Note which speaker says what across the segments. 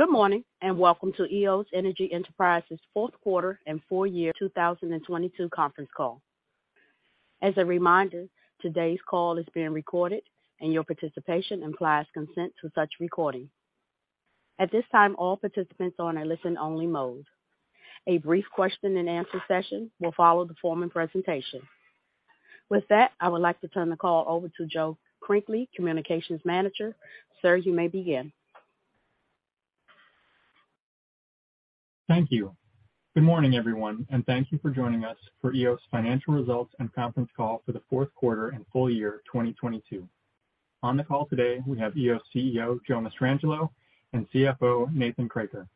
Speaker 1: Good morning, and welcome to Eos Energy Enterprises Fourth Quarter and Full Year 2022 Conference Call. As a reminder, today's call is being recorded and your participation implies consent to such recording. At this time, all participants are on a listen only mode. A brief question and answer session will follow the formal presentation. With that, I would like to turn the call over to Joe Crinkley, Communications Manager. Sir, you may begin.
Speaker 2: Thank you. Good morning, everyone, and thank you for joining us for Eos's Financial Results and conference call for the fourth quarter and full year 2022. On the call today, we have Eos CEO, Joe Mastrangelo, and CFO, Nathan Kroeker.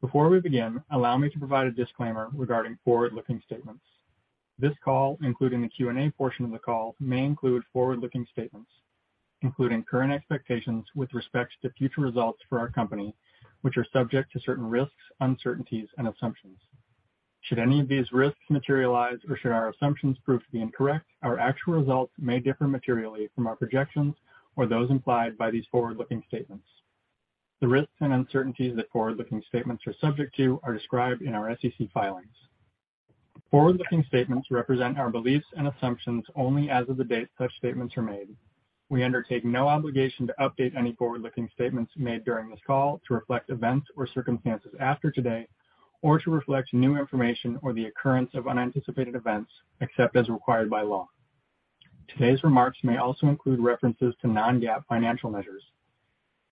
Speaker 2: Before we begin, allow me to provide a disclaimer regarding forward-looking statements. This call, including the Q&A portion of the call, may include forward-looking statements, including current expectations with respect to future results for our company, which are subject to certain risks, uncertainties and assumptions. Should any of these risks materialize or should our assumptions prove to be incorrect, our actual results may differ materially from our projections or those implied by these forward-looking statements. The risks and uncertainties that forward-looking statements are subject to are described in our SEC filings. Forward-looking statements represent our beliefs and assumptions only as of the date such statements are made. We undertake no obligation to update any forward-looking statements made during this call to reflect events or circumstances after today or to reflect new information or the occurrence of unanticipated events, except as required by law. Today's remarks may also include references to non-GAAP financial measures.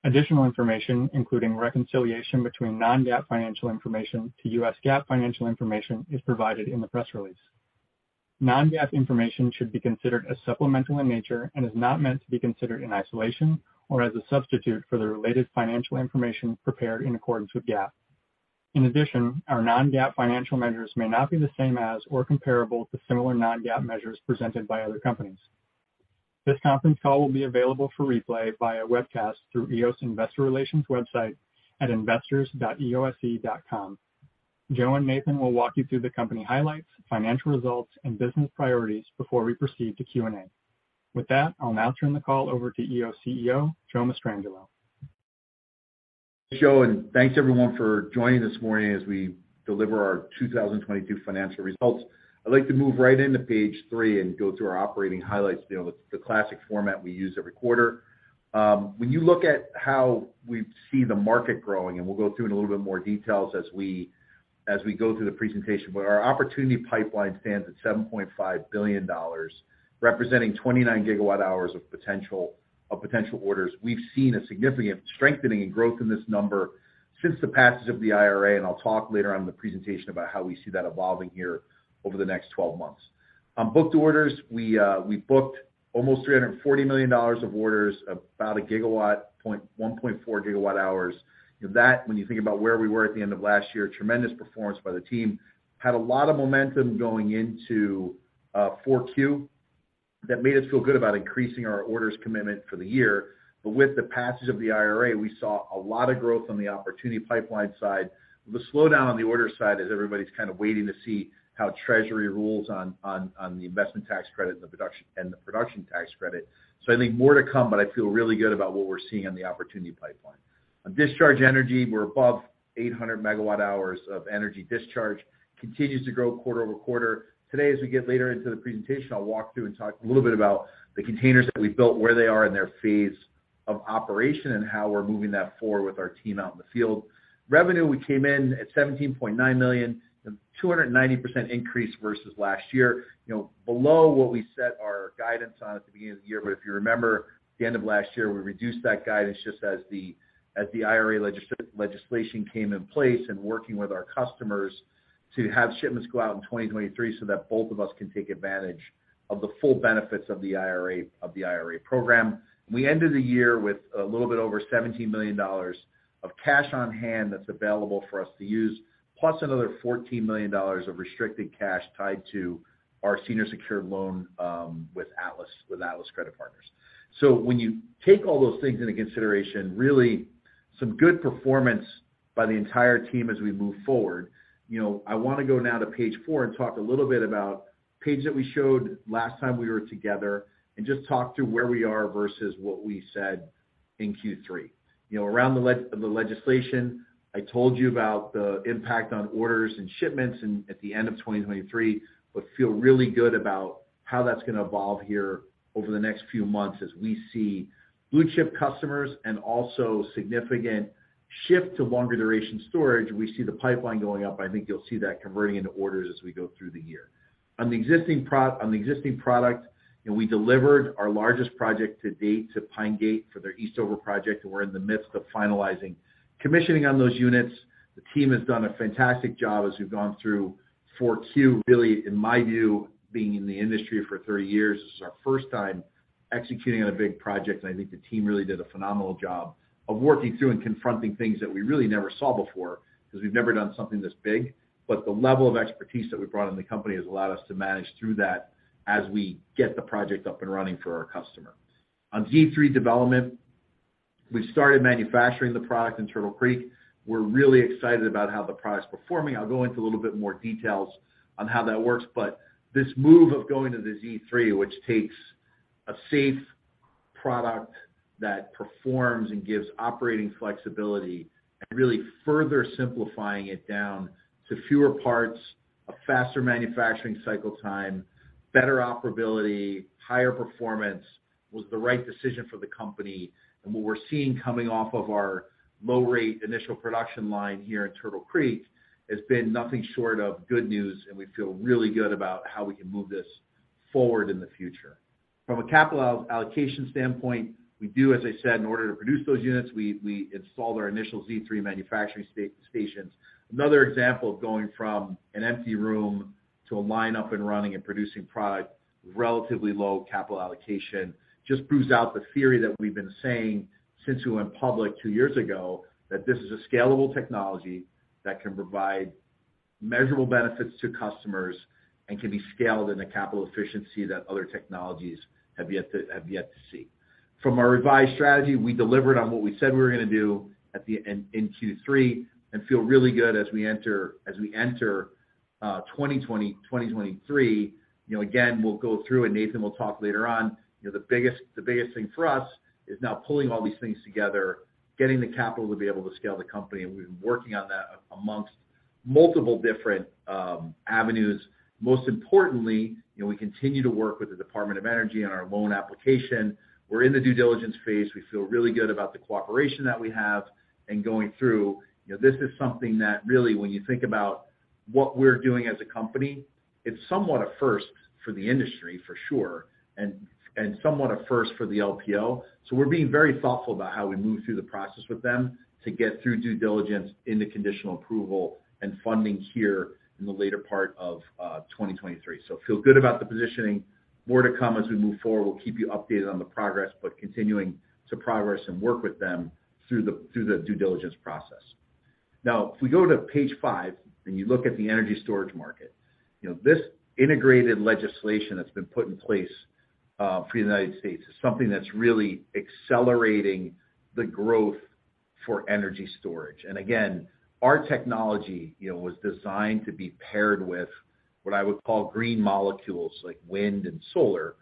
Speaker 2: Additional information, including reconciliation between non-GAAP financial information to U.S. GAAP financial information, is provided in the press release. Non-GAAP information should be considered as supplemental in nature and is not meant to be considered in isolation or as a substitute for the related financial information prepared in accordance with GAAP. Our non-GAAP financial measures may not be the same as or comparable to similar non-GAAP measures presented by other companies. This conference call will be available for replay via webcast through Eos Investor Relations website at investors.eose.com. Joe and Nathan will walk you through the company highlights, financial results, and business priorities before we proceed to Q&A. With that, I'll now turn the call over to Eos CEO, Joe Mastrangelo.
Speaker 3: Joe, thanks everyone for joining this morning as we deliver our 2022 financial results. I'd like to move right into page three and go through our operating highlights. You know, the classic format we use every quarter. When you look at how we see the market growing, and we'll go through in a little bit more details as we go through the presentation, but our opportunity pipeline stands at $7.5 billion, representing 29 gigawatt hours of potential orders. We've seen a significant strengthening and growth in this number since the passage of the IRA, and I'll talk later on in the presentation about how we see that evolving here over the next 12 months. On booked orders, we booked almost $340 million of orders, about 1.4 GWh. That when you think about where we were at the end of last year, tremendous performance by the team. Had a lot of momentum going into Q4. That made us feel good about increasing our orders commitment for the year. With the passage of the IRA, we saw a lot of growth on the opportunity pipeline side. The slowdown on the order side is everybody's kind of waiting to see how Treasury rules on the investment tax credit and the production tax credit. I think more to come, but I feel really good about what we're seeing on the opportunity pipeline. On discharge energy, we're above 800 MWh of energy discharge. Continues to grow quarter-over-quarter. Today, as we get later into the presentation, I'll walk through and talk a little bit about the containers that we built, where they are in their phase of operation, and how we're moving that forward with our team out in the field. Revenue, we came in at $17.9 million, 290% increase versus last year. You know, below what we set our guidance on at the beginning of the year. If you remember, at the end of last year, we reduced that guidance just as the IRA legislation came in place and working with our customers to have shipments go out in 2023 so that both of us can take advantage of the full benefits of the IRA program. We ended the year with a little bit over $17 million of cash on hand that's available for us to use, plus another $14 million of restricted cash tied to our senior secured loan with Atlas Credit Partners. When you take all those things into consideration, really some good performance by the entire team as we move forward. You know, I want to go now to page four and talk a little bit about page that we showed last time we were together and just talk through where we are versus what we said in Q3. You know, around the legislation, I told you about the impact on orders and shipments at the end of 2023, but feel really good about how that's gonna evolve here over the next few months as we see blue-chip customers and also significant shift to longer duration storage. We see the pipeline going up. I think you'll see that converting into orders as we go through the year. On the existing product, and we delivered our largest project to date to Pine Gate for their Eastover project, and we're in the midst of finalizing commissioning on those units. The team has done a fantastic job as we've gone through four Q. Really, in my view, being in the industry for 30 years, this is our first time executing on a big project, and I think the team really did a phenomenal job of working through and confronting things that we really never saw before because we've never done something this big. The level of expertise that we've brought in the company has allowed us to manage through that as we get the project up and running for our customer. On Z3 development, we started manufacturing the product in Turtle Creek. We're really excited about how the product's performing. I'll go into a little bit more details on how that works. This move of going to the Z3, which takes a safe product that performs and gives operating flexibility and really further simplifying it down to fewer parts, a faster manufacturing cycle time, better operability, higher performance, was the right decision for the company. What we're seeing coming off of our low rate initial production line here in Turtle Creek has been nothing short of good news, and we feel really good about how we can move this forward in the future. From a capital allocation standpoint, we do, as I said, in order to produce those units, we installed our initial Z3 manufacturing stations. Another example of going from an empty room to a line up and running and producing product, relatively low capital allocation. Just proves out the theory that we've been saying since we went public two years ago, that this is a scalable technology that can provide measurable benefits to customers and can be scaled in a capital efficiency that other technologies have yet to see. From our revised strategy, we delivered on what we said we were gonna do in Q3, and feel really good as we enter 2023. You know, again, we'll go through and Nathan will talk later on. You know, the biggest thing for us is now pulling all these things together, getting the capital to be able to scale the company, and we've been working on that amongst multiple different avenues. Most importantly, you know, we continue to work with the Department of Energy on our loan application. We're in the due diligence phase. We feel really good about the cooperation that we have and going through. You know, this is something that really, when you think about what we're doing as a company, it's somewhat a first for the industry for sure, and somewhat a first for the LPO. We're being very thoughtful about how we move through the process with them to get through due diligence into conditional approval and funding here in the later part of 2023. Feel good about the positioning. More to come as we move forward. We'll keep you updated on the progress, but continuing to progress and work with them through the due diligence process. Now, if we go to page five and you look at the energy storage market, you know, this integrated legislation that's been put in place for the United States is something that's really accelerating the growth for energy storage. Again, our technology, you know, was designed to be paired with what I would call green molecules like wind and solar,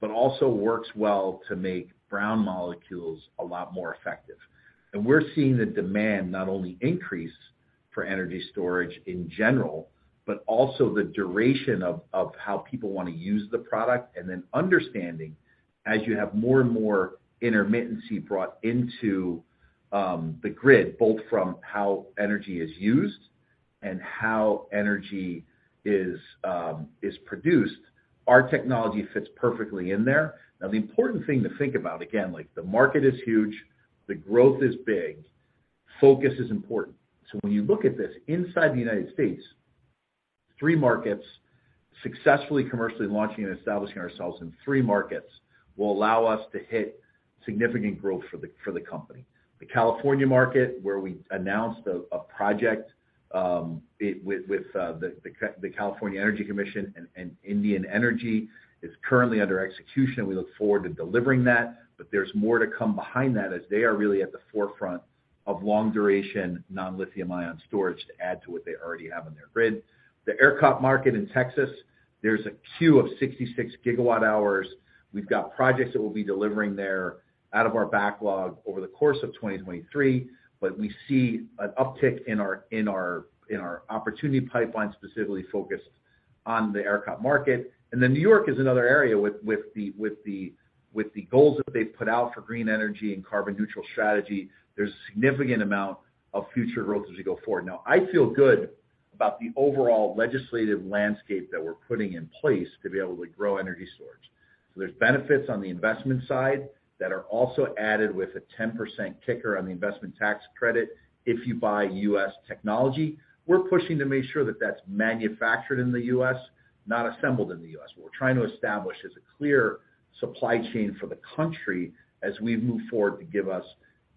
Speaker 3: but also works well to make brown molecules a lot more effective. We're seeing the demand not only increase for energy storage in general, but also the duration of how people wanna use the product, and then understanding as you have more and more intermittency brought into the grid, both from how energy is used and how energy is produced, our technology fits perfectly in there. The important thing to think about, again, like the market is huge, the growth is big. Focus is important. When you look at this inside the United States, three markets successfully commercially launching and establishing ourselves in three markets will allow us to hit significant growth for the company. The California market, where we announced a project with the California Energy Commission and Indian Energy, is currently under execution, and we look forward to delivering that. There's more to come behind that as they are really at the forefront of long duration non-lithium ion storage to add to what they already have in their grid. The ERCOT market in Texas, there's a queue of 66 GWh. We've got projects that we'll be delivering there out of our backlog over the course of 2023, we see an uptick in our opportunity pipeline, specifically focused on the ERCOT market. New York is another area with the goals that they've put out for green energy and carbon neutral strategy, there's a significant amount of future growth as we go forward. I feel good about the overall legislative landscape that we're putting in place to be able to grow energy storage. There's benefits on the investment side that are also added with a 10% kicker on the investment tax credit if you buy U.S. technology. We're pushing to make sure that that's manufactured in the U.S., not assembled in the U.S. What we're trying to establish is a clear supply chain for the country as we move forward to give us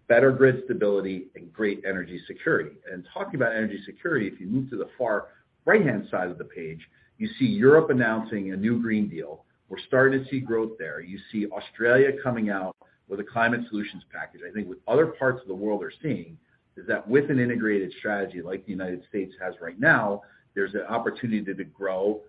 Speaker 3: better grid stability and great energy security. Talking about energy security, if you move to the far right-hand side of the page, you see Europe announcing a new Green Deal. We're starting to see growth there. You see Australia coming out with a climate solutions package. I think what other parts of the world are seeing is that with an integrated strategy like the United States has right now, there's an opportunity to grow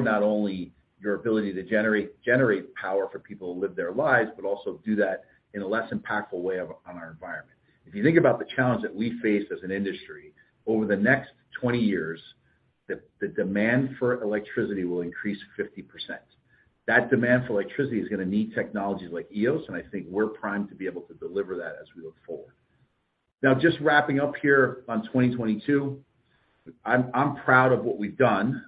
Speaker 3: not only your ability to generate power for people to live their lives, but also do that in a less impactful way on our environment. If you think about the challenge that we face as an industry, over the next 20 years, the demand for electricity will increase 50%. That demand for electricity is gonna need technologies like Eos, and I think we're primed to be able to deliver that as we look forward. Now, just wrapping up here on 2022, I'm proud of what we've done.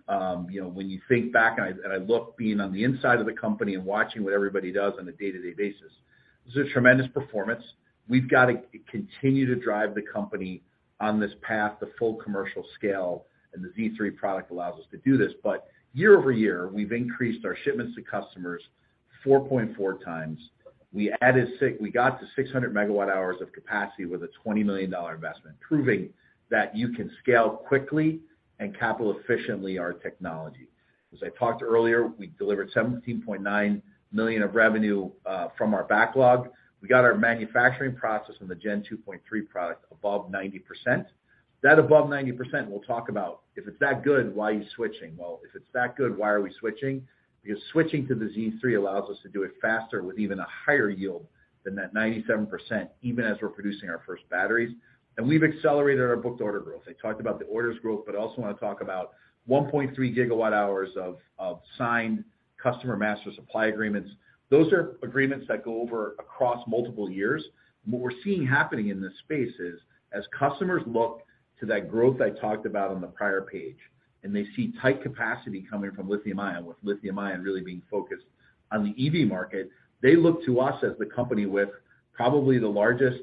Speaker 3: you know, when you think back and I, and I look being on the inside of the company and watching what everybody does on a day-to-day basis, this is a tremendous performance. We've got to continue to drive the company on this path to full commercial scale, and the Z3 product allows us to do this. Year-over-year, we've increased our shipments to customers 4.4 times. We got to 600 MWh of capacity with a $20 million investment, proving that you can scale quickly and capital efficiently our technology. As I talked earlier, we delivered $17.9 million of revenue from our backlog. We got our manufacturing process on the Gen 2.3 product above 90%. That above 90%, we'll talk about if it's that good, why are you switching? Well, if it's that good, why are we switching? Because switching to the Z3 allows us to do it faster with even a higher yield than that 97%, even as we're producing our first batteries. We've accelerated our booked order growth. I talked about the orders growth, but I also want to talk about 1.3 GWh of signed customer master supply agreements. Those are agreements that go over across multiple years. What we're seeing happening in this space is as customers look to that growth I talked about on the prior page, and they see tight capacity coming from lithium ion, with lithium ion really being focused on the EV market, they look to us as the company with probably the largest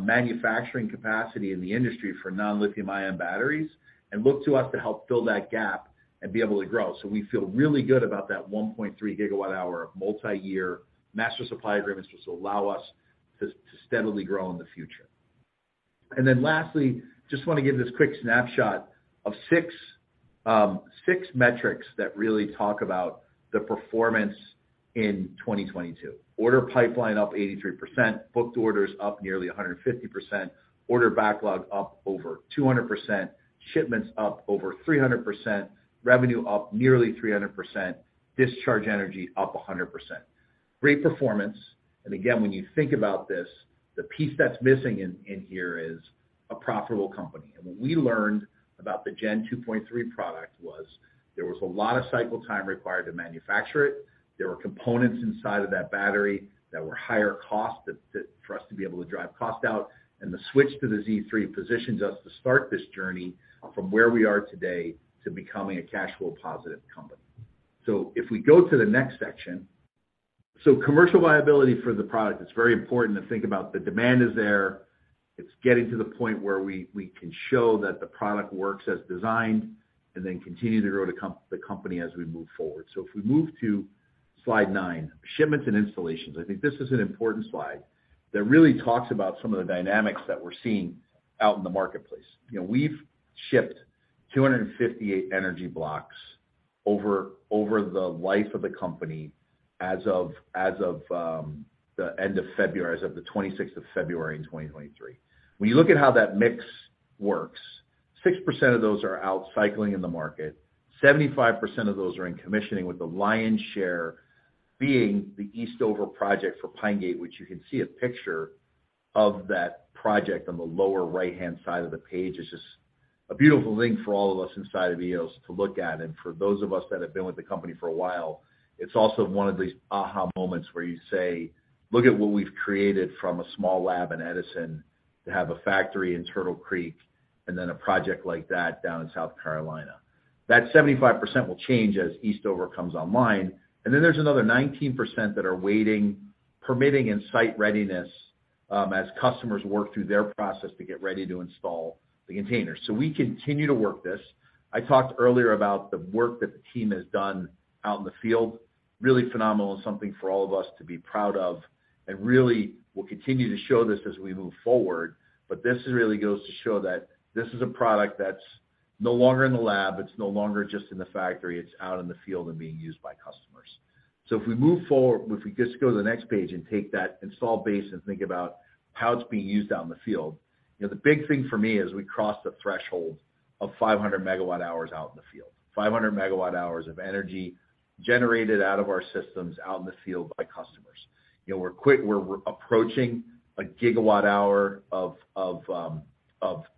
Speaker 3: manufacturing capacity in the industry for non-lithium ion batteries and look to us to help fill that gap and be able to grow. We feel really good about that 1.3 GWh of multiyear master supply agreements, which will allow us to steadily grow in the future. Lastly, just want to give this quick snapshot of six metrics that really talk about the performance in 2022. Order pipeline up 83%, booked orders up nearly 150%, order backlog up over 200%, shipments up over 300%, revenue up nearly 300%, discharge energy up 100%. Great performance. Again, when you think about this, the piece that's missing in here is a profitable company. What we learned about the Gen 2.3 product was there was a lot of cycle time required to manufacture it. There were components inside of that battery that were higher cost that for us to be able to drive cost out, the switch to the Z3 positions us to start this journey from where we are today to becoming a cash flow positive company. If we go to the next section. Commercial viability for the product, it's very important to think about the demand is there. It's getting to the point where we can show that the product works as designed and then continue to grow the company as we move forward. If we move to slide nine, shipments and installations, I think this is an important slide that really talks about some of the dynamics that we're seeing out in the marketplace. You know, we've shipped 258 energy blocks over the life of the company as of the end of February, as of the 26th of February in 2023. When you look at how that mix works, 6% of those are out cycling in the market, 75% of those are in commissioning, with the lion's share being the Eastover project for Pine Gate, which you can see a picture of that project on the lower right-hand side of the page. It's just a beautiful thing for all of us inside of Eos to look at. For those of us that have been with the company for a while, it's also one of these aha moments where you say, "Look at what we've created from a small lab in Edison to have a factory in Turtle Creek and then a project like that down in South Carolina." That 75% will change as Eastover comes online. There's another 19% that are waiting, permitting and site readiness, as customers work through their process to get ready to install the containers. We continue to work this. I talked earlier about the work that the team has done out in the field, really phenomenal, and something for all of us to be proud of. Really, we'll continue to show this as we move forward. This really goes to show that this is a product that's no longer in the lab, it's no longer just in the factory, it's out in the field and being used by customers. If we just go to the next page and take that install base and think about how it's being used out in the field, you know, the big thing for me is we crossed the threshold of 500 MWh out in the field, 500 MWh of energy generated out of our systems out in the field by customers. You know, we're approaching a gigawatt-hour of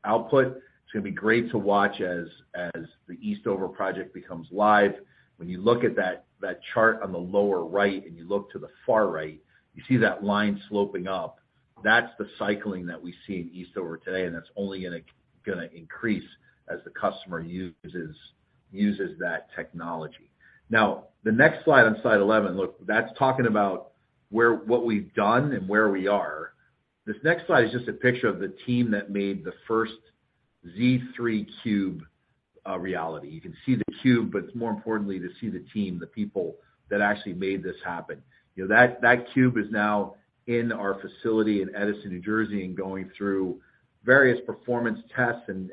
Speaker 3: output. It's going to be great to watch as the Eastover project becomes live. When you look at that chart on the lower right, and you look to the far right, you see that line sloping up. That's the cycling that we see in Eastover today, and that's only going to increase as the customer uses that technology. The next slide on slide 11, look. That's talking about what we've done and where we are. This next slide is just a picture of the team that made the first Z3 cube reality. You can see the cube, but it's more importantly to see the team, the people that actually made this happen. You know, that cube is now in our facility in Edison, New Jersey, and going through various performance tests and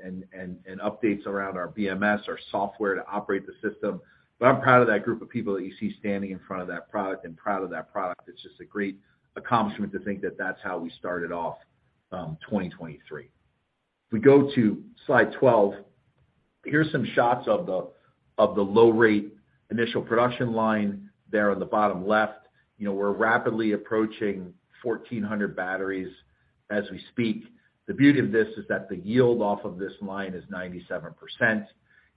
Speaker 3: updates around our BMS, our software to operate the system. I'm proud of that group of people that you see standing in front of that product, and proud of that product. It's just a great accomplishment to think that that's how we started off 2023. If we go to slide 12, here's some shots of the low rate initial production line there on the bottom left. You know, we're rapidly approaching 1,400 batteries as we speak. The beauty of this is that the yield off of this line is 97%.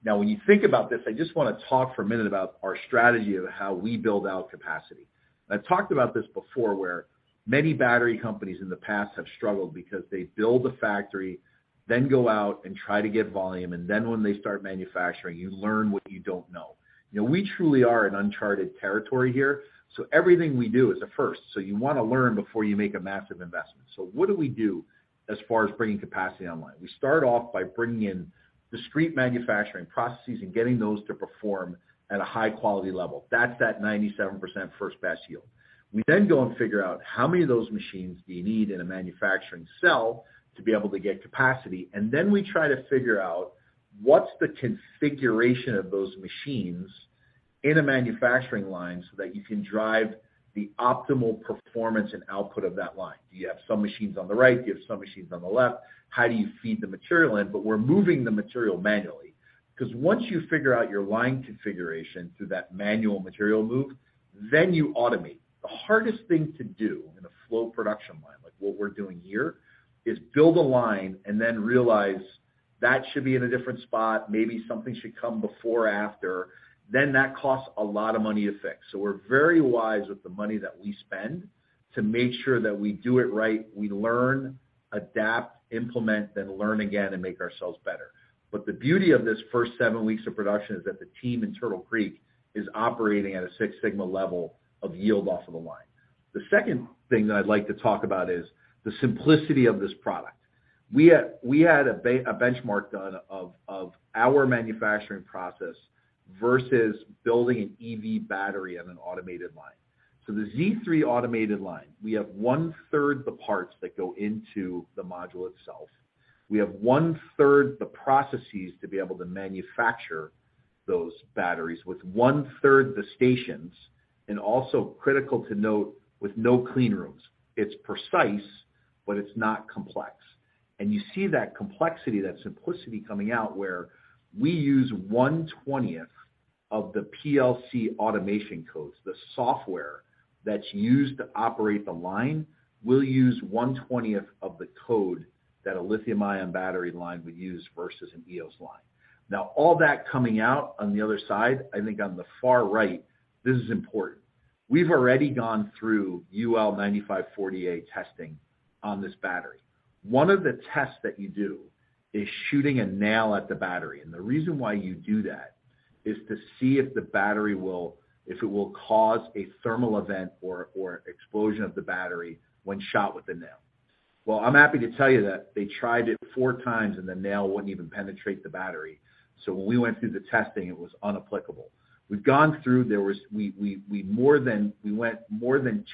Speaker 3: When you think about this, I just wanna talk for a minute about our strategy of how we build out capacity. I've talked about this before, where many battery companies in the past have struggled because they build a factory, then go out and try to get volume, and then when they start manufacturing, you learn what you don't know. You know, we truly are in uncharted territory here, everything we do is a first. You wanna learn before you make a massive investment. What do we do as far as bringing capacity online? We start off by bringing in discrete manufacturing processes and getting those to perform at a high-quality level. That's that 97% first pass yield. We go and figure out how many of those machines do you need in a manufacturing cell to be able to get capacity, we try to figure out what's the configuration of those machines in a manufacturing line so that you can drive the optimal performance and output of that line. Do you have some machines on the right? Do you have some machines on the left? How do you feed the material in? We're moving the material manually. Once you figure out your line configuration through that manual material move, you automate. The hardest thing to do in a flow production line, like what we're doing here, is build a line and then realize that should be in a different spot, maybe something should come before or after, then that costs a lot of money to fix. We're very wise with the money that we spend to make sure that we do it right. We learn, adapt, implement, then learn again and make ourselves better. The beauty of this first seven weeks of production is that the team in Turtle Creek is operating at a Six Sigma level of yield off of the line. The second thing that I'd like to talk about is the simplicity of this product. We had a benchmark done of our manufacturing process versus building an EV battery on an automated line. The Z3 automated line, we have one-third the parts that go into the module itself. We have one-third the processes to be able to manufacture those batteries with a one-third the stations, and also critical to note, with no clean rooms. It's precise, but it's not complex. You see that complexity, that simplicity coming out, where we use 1/20 of the PLC automation codes. The software that's used to operate the line, we'll use one-twentieth of the code that a lithium-ion battery line would use versus an Eos line. All that coming out on the other side, I think on the far right, this is important. We've already gone through UL 9540A testing on this battery. One of the tests that you do is shooting a nail at the battery. The reason why you do that is to see if the battery will cause a thermal event or explosion of the battery when shot with a nail. I'm happy to tell you that they tried it four times. The nail wouldn't even penetrate the battery. When we went through the testing, it was inapplicable. We've gone through, we went more than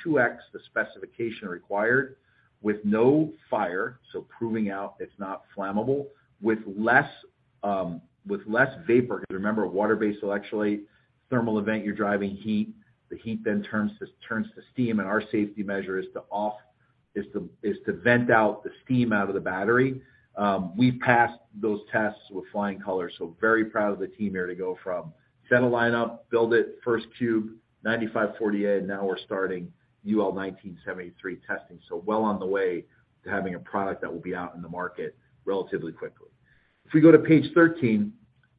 Speaker 3: 2x the specification required with no fire, proving out it's not flammable, with less vapor. Remember, water-based electrolyte, thermal event, you're driving heat. The heat then turns to steam. Our safety measure is to vent out the steam out of the battery. We've passed those tests with flying colors, so very proud of the team here to go from set a line up, build it, first cube, 9540A, now we're starting UL 1973 testing. Well on the way to having a product that will be out in the market relatively quickly. If we go to page 13,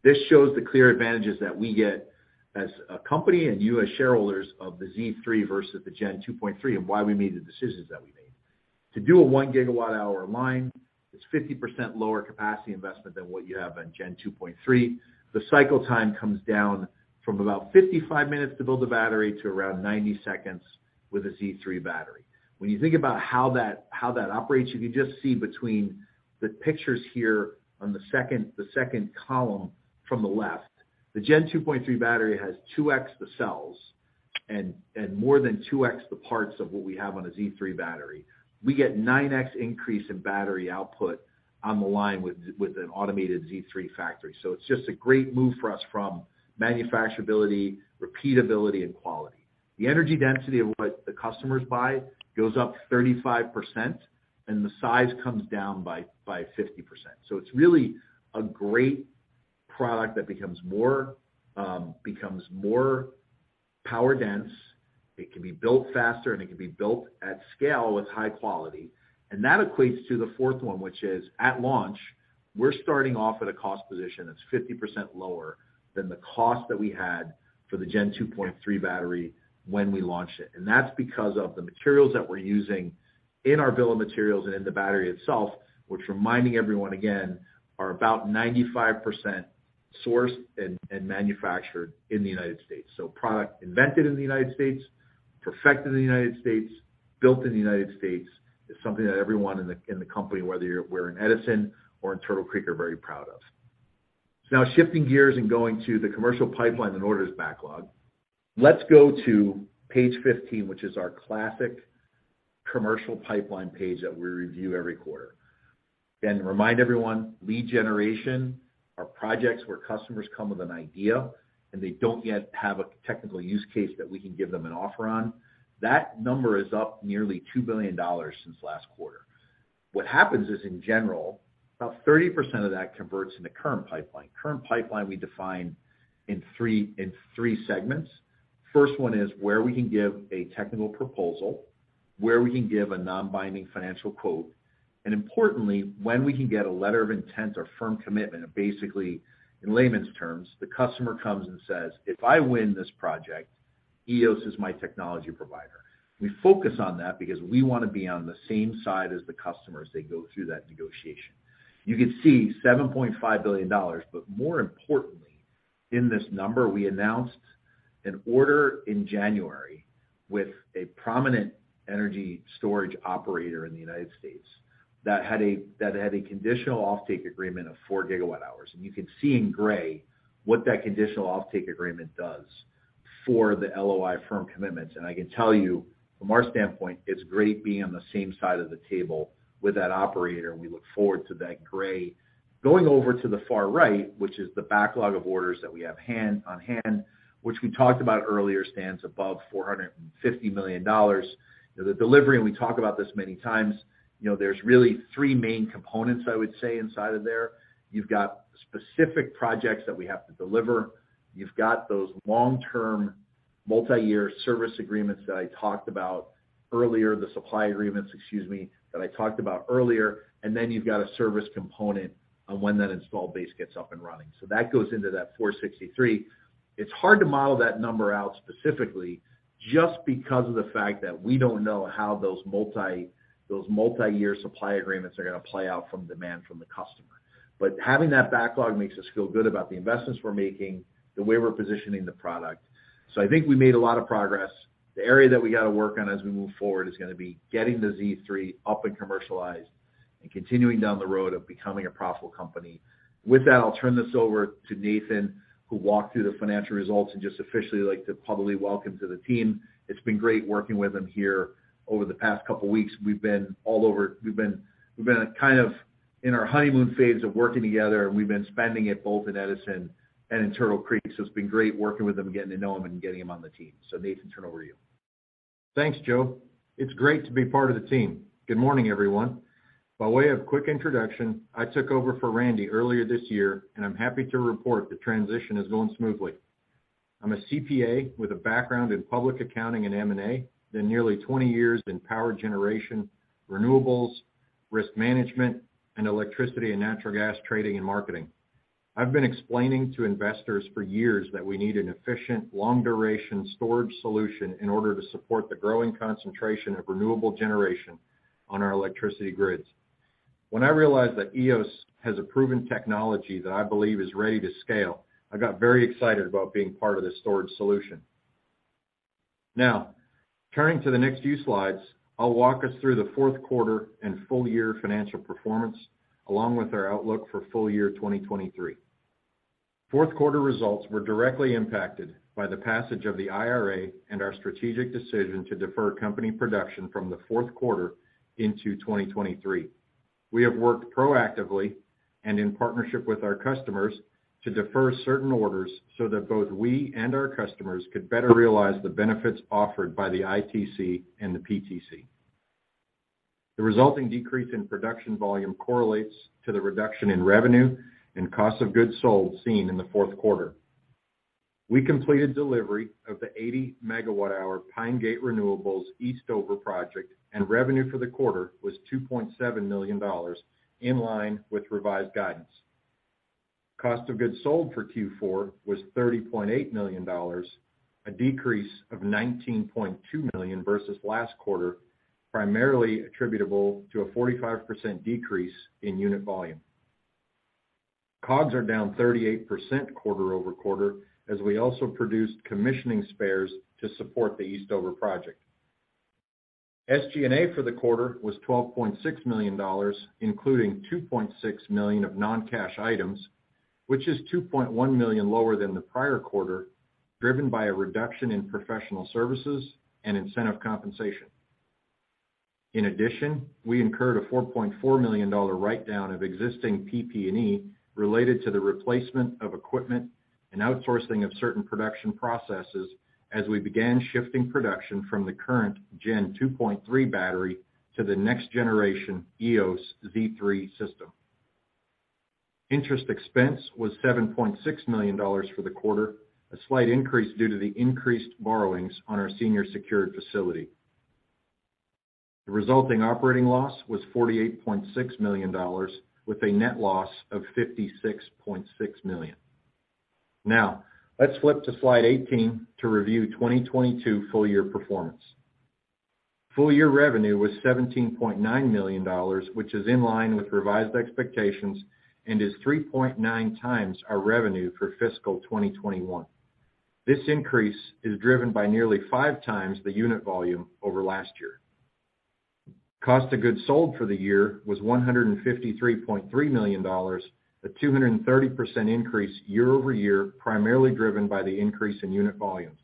Speaker 3: this shows the clear advantages that we get as a company and you as shareholders of the Z3 versus the Gen 2.3, and why we made the decisions that we made. To do a 1 GWh line, it's 50% lower capacity investment than what you have on Gen 2.3. The cycle time comes down from about 55 minutes to build a battery to around 90 seconds with a Z3 battery. When you think about how that operates, you can just see between the pictures here on the second, the second column from the left. The Gen 2.3 battery has 2x the cells and more than 2x the parts of what we have on a Z3 battery. We get 9x increase in battery output on the line with an automated Z3 factory. It's just a great move for us from manufacturability, repeatability, and quality. The energy density of what the customers buy goes up 35%, and the size comes down by 50%. It's really a great product that becomes more, becomes more power dense. It can be built faster, and it can be built at scale with high quality. That equates to the fourth one, which is at launch, we're starting off at a cost position that's 50% lower than the cost that we had for the Gen 2.3 battery when we launched it. That's because of the materials that we're using in our bill of materials and in the battery itself, which reminding everyone again, are about 95% sourced and manufactured in the United States. Product invented in the United States, perfected in the United States, built in the United States, is something that everyone in the company, whether we're in Edison or in Turtle Creek, are very proud of. Now shifting gears and going to the commercial pipeline and orders backlog. Let's go to page 15, which is our classic commercial pipeline page that we review every quarter. Again, to remind everyone, lead generation are projects where customers come with an idea, and they don't yet have a technical use case that we can give them an offer on. That number is up nearly $2 billion since last quarter. What happens is, in general, about 30% of that converts into current pipeline. Current pipeline we define in three segments. First one is where we can give a technical proposal, where we can give a non-binding financial quote, and importantly, when we can get a letter of intent or firm commitment of basically, in layman's terms, the customer comes and says, "If I win this project, Eos is my technology provider." We focus on that because we wanna be on the same side as the customer as they go through that negotiation. You can see $7.5 billion. More importantly, in this number, we announced an order in January with a prominent energy storage operator in the United States that had a conditional offtake agreement of 4 GWh. You can see in gray what that conditional offtake agreement does for the LOI firm commitments. I can tell you from our standpoint, it's great being on the same side of the table with that operator, and we look forward to that gray. Going over to the far right, which is the backlog of orders that we have on hand, which we talked about earlier, stands above $450 million. The delivery, and we talk about this many times, you know, there's really three main components I would say inside of there. You've got specific projects that we have to deliver. You've got those long-term multi-year service agreements that I talked about earlier, the supply agreements, excuse me, that I talked about earlier. You've got a service component on when that installed base gets up and running. That goes into that 463. It's hard to model that number out specifically just because of the fact that we don't know how those multi-year supply agreements are gonna play out from demand from the customer. Having that backlog makes us feel good about the investments we're making, the way we're positioning the product. I think we made a lot of progress. The area that we got to work on as we move forward is gonna be getting the Z3 up and commercialized and continuing down the road of becoming a profitable company. With that, I'll turn this over to Nathan, who walked through the financial results and just officially like to publicly welcome to the team. It's been great working with him here over the past couple weeks. We've been all over. We've been kind of in our honeymoon phase of working together, and we've been spending it both in Edison and in Turtle Creek. It's been great working with him and getting to know him and getting him on the team. Nathan, turn it over to you.
Speaker 4: Thanks, Joe. It's great to be part of the team. Good morning, everyone. By way of quick introduction, I took over for Randy earlier this year, and I'm happy to report the transition is going smoothly. I'm a CPA with a background in public accounting and M&A, then nearly 20 years in power generation, renewables, risk management, and electricity and natural gas trading and marketing. I've been explaining to investors for years that we need an efficient, long-duration storage solution in order to support the growing concentration of renewable generation on our electricity grids. When I realized that Eos has a proven technology that I believe is ready to scale, I got very excited about being part of this storage solution. Turning to the next few slides, I'll walk us through the fourth quarter and full year financial performance, along with our outlook for full year 2023. Fourth quarter results were directly impacted by the passage of the IRA and our strategic decision to defer company production from the fourth quarter into 2023. We have worked proactively and in partnership with our customers to defer certain orders so that both we and our customers could better realize the benefits offered by the ITC and the PTC. The resulting decrease in production volume correlates to the reduction in revenue and cost of goods sold seen in the fourth quarter. We completed delivery of the 80 MWh Pine Gate Renewables Eastover project, revenue for the quarter was $2.7 million, in line with revised guidance. Cost of goods sold for Q4 was $30.8 million, a decrease of $19.2 million versus last quarter, primarily attributable to a 45% decrease in unit volume. COGS are down 38% quarter-over-quarter as we also produced commissioning spares to support the Eastover project. SG&A for the quarter was $12.6 million, including $2.6 million of non-cash items, which is $2.1 million lower than the prior quarter, driven by a reduction in professional services and incentive compensation. In addition, we incurred a $4.4 million write-down of existing PP&E related to the replacement of equipment and outsourcing of certain production processes as we began shifting production from the current Gen 2.3 battery to the next generation Eos Z3 system. Interest expense was $7.6 million for the quarter, a slight increase due to the increased borrowings on our senior secured facility. The resulting operating loss was $48.6 million, with a net loss of $56.6 million. Let's flip to slide 18 to review 2022 full year performance. Full year revenue was $17.9 million, which is in line with revised expectations and is 3.9 times our revenue for fiscal 2021. This increase is driven by nearly 5 times the unit volume over last year. Cost of goods sold for the year was $153.3 million, a 230% increase year-over-year, primarily driven by the increase in unit volumes.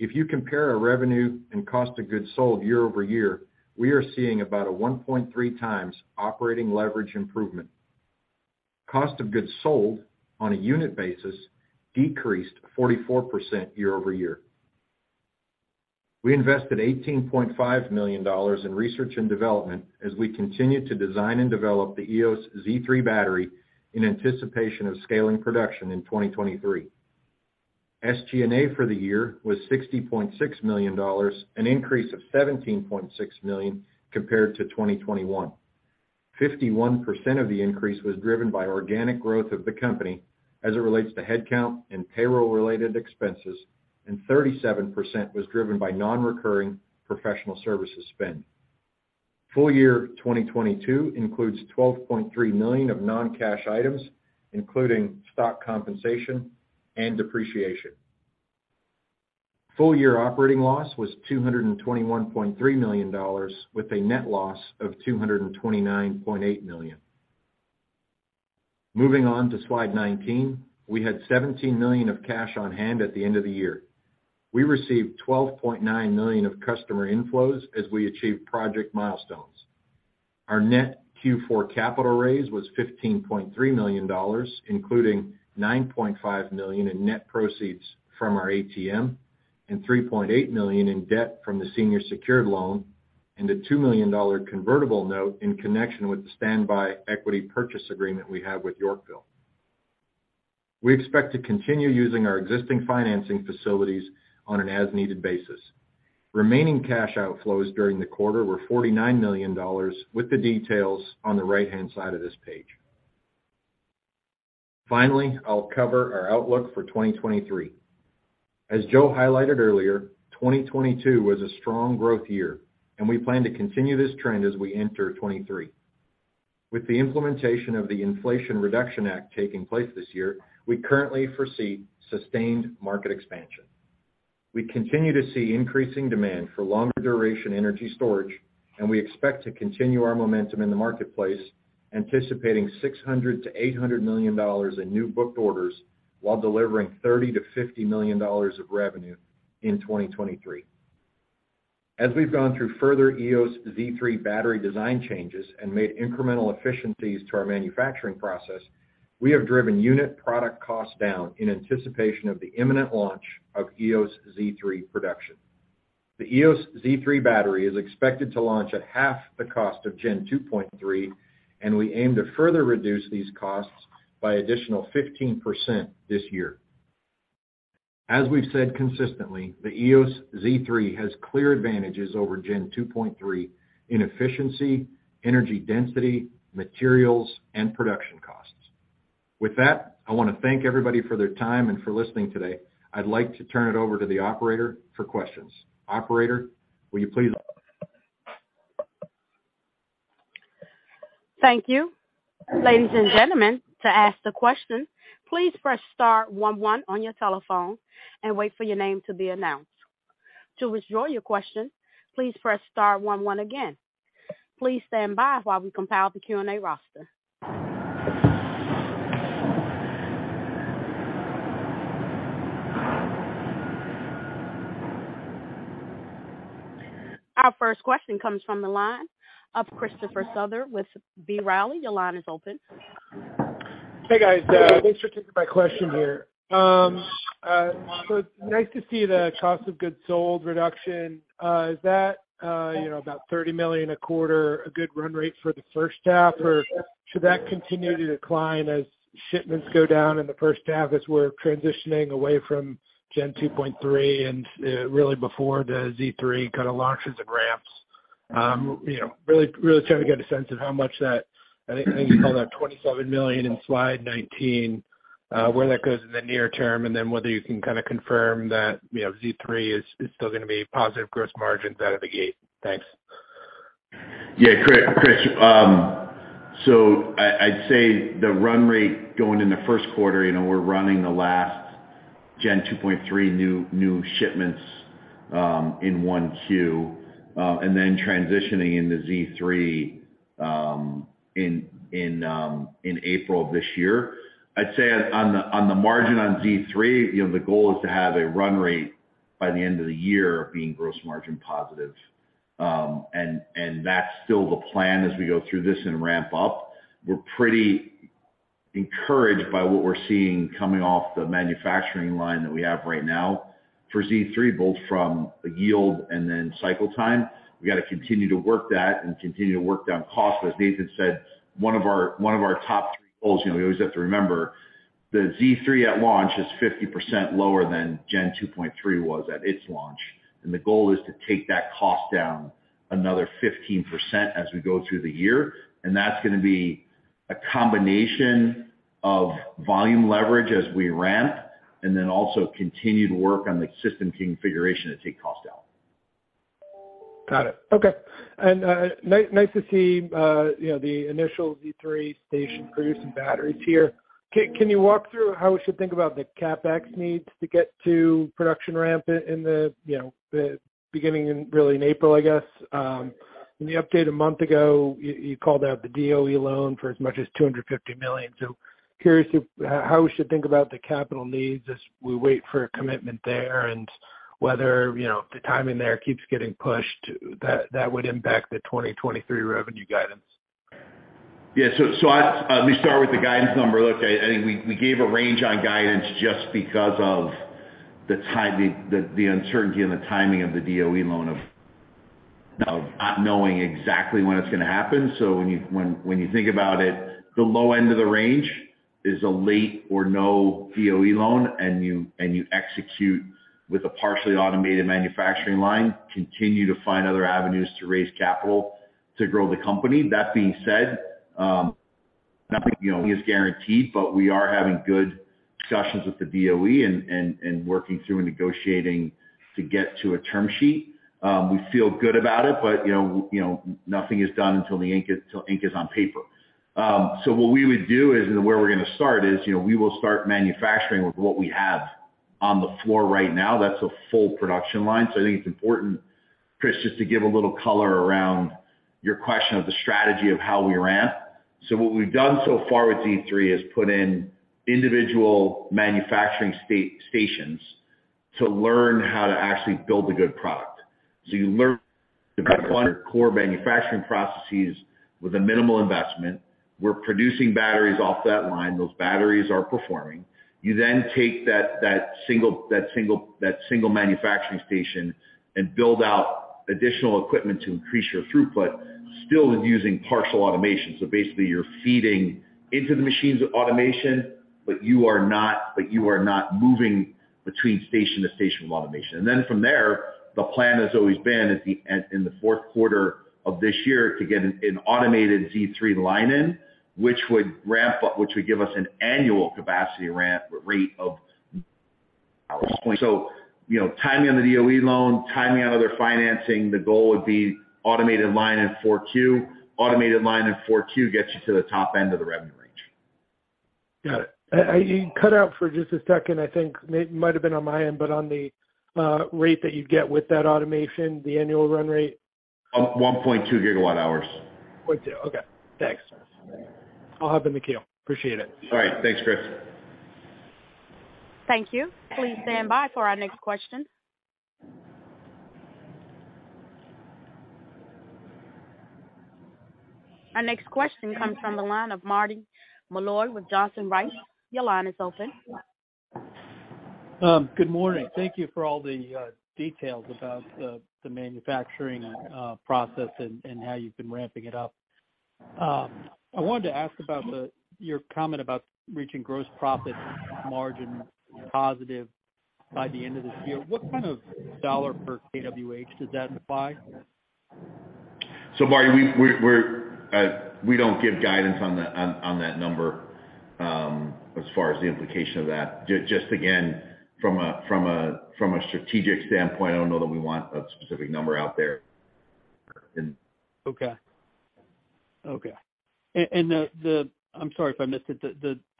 Speaker 4: If you compare our revenue and Cost of goods sold year-over-year, we are seeing about a 1.3 times operating leverage improvement. Cost of goods sold on a unit basis decreased 44% year-over-year. We invested $18.5 million in research and development as we continued to design and develop the Eos Z3 battery in anticipation of scaling production in 2023. SG&A for the year was $60.6 million, an increase of $17.6 million compared to 2021. 51% of the increase was driven by organic growth of the company as it relates to headcount and payroll-related expenses, and 37% was driven by non-recurring professional services spend. Full year 2022 includes $12.3 million of non-cash items, including stock compensation and depreciation. Full year operating loss was $221.3 million, with a net loss of $229.8 million. Moving on to slide 19. We had $17 million of cash on hand at the end of the year. We received $12.9 million of customer inflows as we achieved project milestones. Our net Q4 capital raise was $15.3 million, including $9.5 million in net proceeds from our ATM and $3.8 million in debt from the senior secured loan and a $2 million convertible note in connection with the standby equity purchase agreement we have with Yorkville. We expect to continue using our existing financing facilities on an as-needed basis. Remaining cash outflows during the quarter were $49 million, with the details on the right-hand side of this page. Finally, I'll cover our outlook for 2023. As Joe highlighted earlier, 2022 was a strong growth year, and we plan to continue this trend as we enter 23. With the implementation of the Inflation Reduction Act taking place this year, we currently foresee sustained market expansion. We continue to see increasing demand for longer duration energy storage, and we expect to continue our momentum in the marketplace, anticipating $600 million-$800 million in new booked orders while delivering $30 million-$50 million of revenue in 2023. As we've gone through further Eos Z3 battery design changes and made incremental efficiencies to our manufacturing process, we have driven unit product costs down in anticipation of the imminent launch of Eos Z3 production. The Eos Z3 battery is expected to launch at half the cost of Gen 2.3, and we aim to further reduce these costs by additional 15% this year. As we've said consistently, the Eos Z3 has clear advantages over Gen 2.3 in efficiency, energy density, materials, and production costs. With that, I want to thank everybody for their time and for listening today. I'd like to turn it over to the operator for questions. Operator, will you please?
Speaker 1: Thank you. Ladies and gentlemen, to ask the question, please press star one one on your telephone and wait for your name to be announced. To withdraw your question, please press star one one again. Please stand by while we compile the Q&A roster. Our first question comes from the line of Christopher Souther with B. Riley. Your line is open.
Speaker 5: Hey, guys. thanks for taking my question here. It's nice to see the cost of goods sold reduction. Is that, you know, about $30 million a quarter, a good run rate for the first half? Or should that continue to decline as shipments go down in the first half as we're transitioning away from Gen 2.3 and really before the Z3 kind of launches and ramps? You know, really trying to get a sense of how much that, I think you called out $27 million in slide 19, where that goes in the near term, and then whether you can kinda confirm that, you know, Z3 is still gonna be positive gross margins out of the gate. Thanks.
Speaker 3: Yeah, Chris. I'd say the run rate going in the first quarter, you know, we're running the last Gen 2.3 new shipments in 1Q, and then transitioning into Z3 in April of this year. I'd say on the margin on Z3, you know, the goal is to have a run rate by the end of the year being gross margin positive. That's still the plan as we go through this and ramp up. We're pretty encouraged by what we're seeing coming off the manufacturing line that we have right now for Z3, both from a yield and then cycle time. We got to continue to work that and continue to work down cost. As Nathan said, one of our top three goals, you know, we always have to remember the Z3 at launch is 50% lower than Gen 2.3 was at its launch. The goal is to take that cost down another 15% as we go through the year. That's gonna be a combination of volume leverage as we ramp and then also continue to work on the system configuration to take cost out.
Speaker 5: Got it. Okay. Nice to see, you know, the initial Z3 station producing batteries here. Can you walk through how we should think about the CapEx needs to get to production ramp in the, you know, the beginning in, really in April, I guess? In the update a month ago, you called out the DOE loan for as much as $250 million. Curious how we should think about the capital needs as we wait for a commitment there and whether, you know, the timing there keeps getting pushed, that would impact the 2023 revenue guidance?
Speaker 3: Let me start with the guidance number. Look, I think we gave a range on guidance just because of the uncertainty and the timing of the DOE loan of not knowing exactly when it's gonna happen. When you think about it, the low end of the range is a late or no DOE loan. You execute with a partially automated manufacturing line, continue to find other avenues to raise capital to grow the company. That being said, nothing, you know, is guaranteed, but we are having good discussions with the DOE and working through and negotiating to get to a term sheet. We feel good about it, but, you know, nothing is done until ink is on paper. What we would do is, and where we're going to start is, you know, we will start manufacturing with what we have on the floor right now. That's a full production line. I think it's important, Chris, just to give a little color around your question of the strategy of how we ramp. What we've done so far with Z3 is put in individual manufacturing stations to learn how to actually build a good product. You learn core manufacturing processes with a minimal investment. We're producing batteries off that line. Those batteries are performing. You then take that single manufacturing station and build out additional equipment to increase your throughput still with using partial automation. Basically, you're feeding into the machines with automation, but you are not moving between station to station with automation. From there, the plan has always been at the end in the fourth quarter of this year to get an automated Z3 line in, which would ramp up, which would give us an annual capacity ramp rate of. You know, timing on the DOE loan, timing out other financing, the goal would be automated line in four Q. Automated line in four Q gets you to the top end of the revenue range.
Speaker 5: Got it. You cut out for just a second. I think it might have been on my end, but on the rate that you'd get with that automation, the annual run rate.
Speaker 3: One, point 2 GWh.
Speaker 5: Point two. Okay. Thanks. I'll hop in the queue. Appreciate it.
Speaker 3: All right. Thanks, Chris.
Speaker 1: Thank you. Please stand by for our next question. Our next question comes from the line of Martin Malloy with Johnson Rice. Your line is open.
Speaker 6: Good morning. Thank you for all the details about the manufacturing process and how you've been ramping it up. I wanted to ask about your comment about reaching gross profit margin positive by the end of this year. What kind of dollar per kWh does that imply?
Speaker 3: Marty, we're we don't give guidance on that number, as far as the implication of that. Just again, from a strategic standpoint, I don't know that we want a specific number out there.
Speaker 6: Okay. Okay. I'm sorry if I missed it.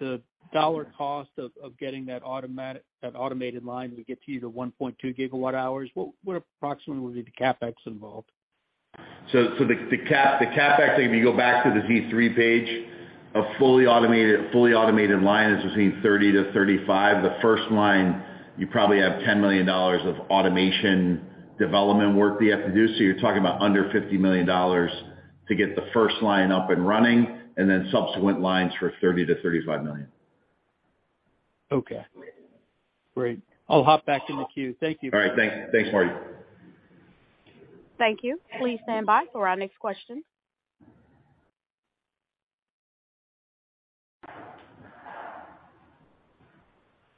Speaker 6: The dollar cost of getting that automated line to get to you to 1.2 GWh, what approximately would be the CapEx involved?
Speaker 3: The CapEx, if you go back to the Z3 page, a fully automated line is between $30 million-$35 million. The first line, you probably have $10 million of automation development work that you have to do. You're talking about under $50 million to get the first line up and running, and then subsequent lines for $30 million-$35 million.
Speaker 6: Okay. Great. I'll hop back in the queue. Thank you.
Speaker 3: All right, thanks. Thanks, Martin.
Speaker 1: Thank you. Please stand by for our next question.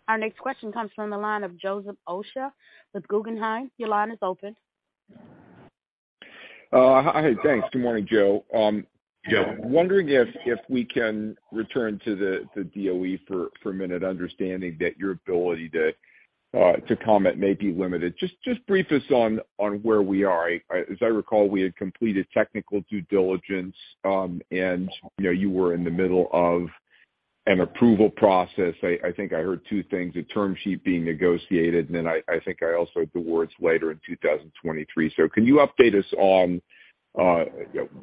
Speaker 1: Our next question comes from the line of Joseph Osha with Guggenheim. Your line is open.
Speaker 7: Hi. Thanks. Good morning, Joe.
Speaker 3: Yeah.
Speaker 7: Wondering if we can return to the DOE for a minute, understanding that your ability to comment may be limited. Just brief us on where we are. As I recall, we had completed technical due diligence, and, you know, you were in the middle of an approval process. I think I heard two things: a term sheet being negotiated, and then I think I also had the words later in 2023. Can you update us on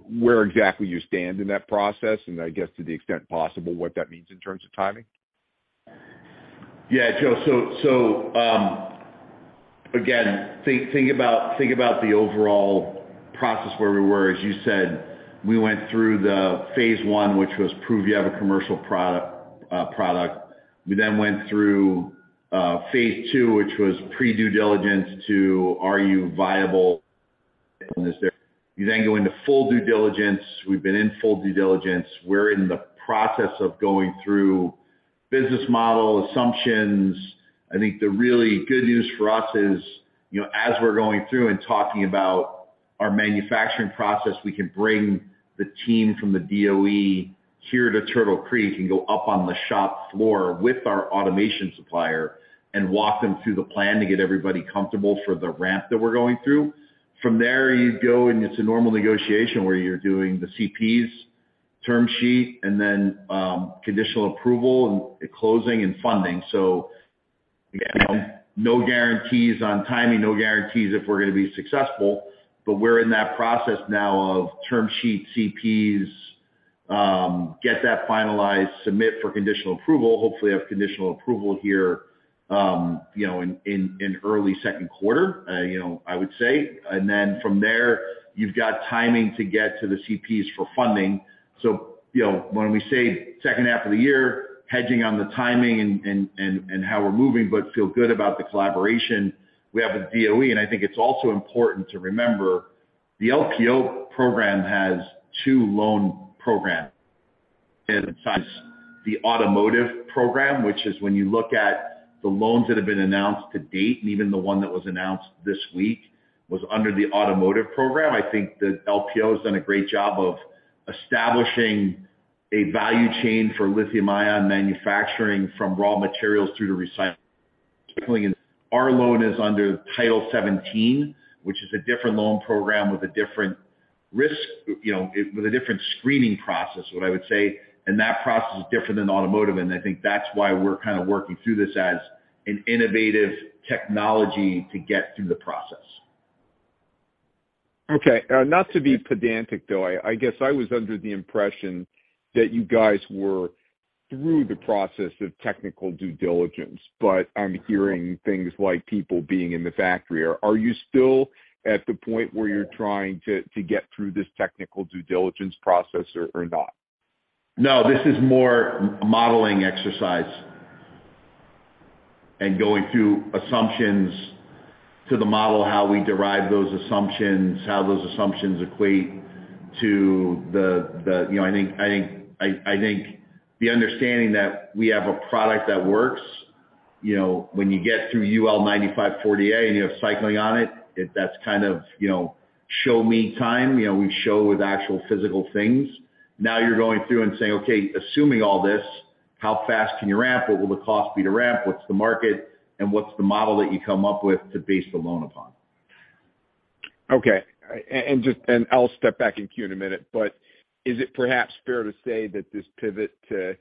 Speaker 7: where exactly you stand in that process? And I guess to the extent possible, what that means in terms of timing.
Speaker 3: Yeah. Joe. Again, think about the overall process where we were. As you said, we went through the phase one, which was prove you have a commercial product. We went through, phase two, which was pre-due diligence to are you viable. You go into full due diligence. We've been in full due diligence. We're in the process of going through business model assumptions. I think the really good news for us is, you know, as we're going through and talking about our manufacturing process, we can bring the team from the DOE here to Turtle Creek and go up on the shop floor with our automation supplier and walk them through the plan to get everybody comfortable for the ramp that we're going through. From there, you go, and it's a normal negotiation where you're doing the CPs, term sheet, and then, conditional approval and closing and funding. Again, no guarantees on timing, no guarantees if we're gonna be successful. We're in that process now of term sheet CPs, get that finalized, submit for conditional approval. Hopefully have conditional approval here, you know, in early second quarter, you know, I would say. From there, you've got timing to get to the CPs for funding. You know, when we say second half of the year, hedging on the timing and, and how we're moving, but feel good about the collaboration we have with DOE. I think it's also important to remember the LPO program has two loan programs. It has the automotive program, which is when you look at the loans that have been announced to date, even the one that was announced this week was under the automotive program. I think the LPO has done a great job of establishing a value chain for lithium-ion manufacturing from raw materials through to recycling. Our loan is under Title XVII, which is a different loan program, you know, with a different screening process, what I would say, and that process is different than automotive. I think that's why we're kind of working through this as an innovative technology to get through the process.
Speaker 7: Not to be pedantic, though. I guess I was under the impression that you guys were through the process of technical due diligence, but I'm hearing things like people being in the factory. Are you still at the point where you're trying to get through this technical due diligence process or not?
Speaker 3: This is more modeling exercise and going through assumptions to the model, how we derive those assumptions, how those assumptions equate to the. You know, I think the understanding that we have a product that works, you know, when you get through UL 9540A and you have cycling on it, that's kind of, you know, show me time. You know, we show with actual physical things. You're going through and saying, "Okay, assuming all this, how fast can you ramp? What will the cost be to ramp? What's the market, and what's the model that you come up with to base the loan upon?
Speaker 7: Okay. I'll step back in queue in a minute. Is it perhaps fair to say that this pivot to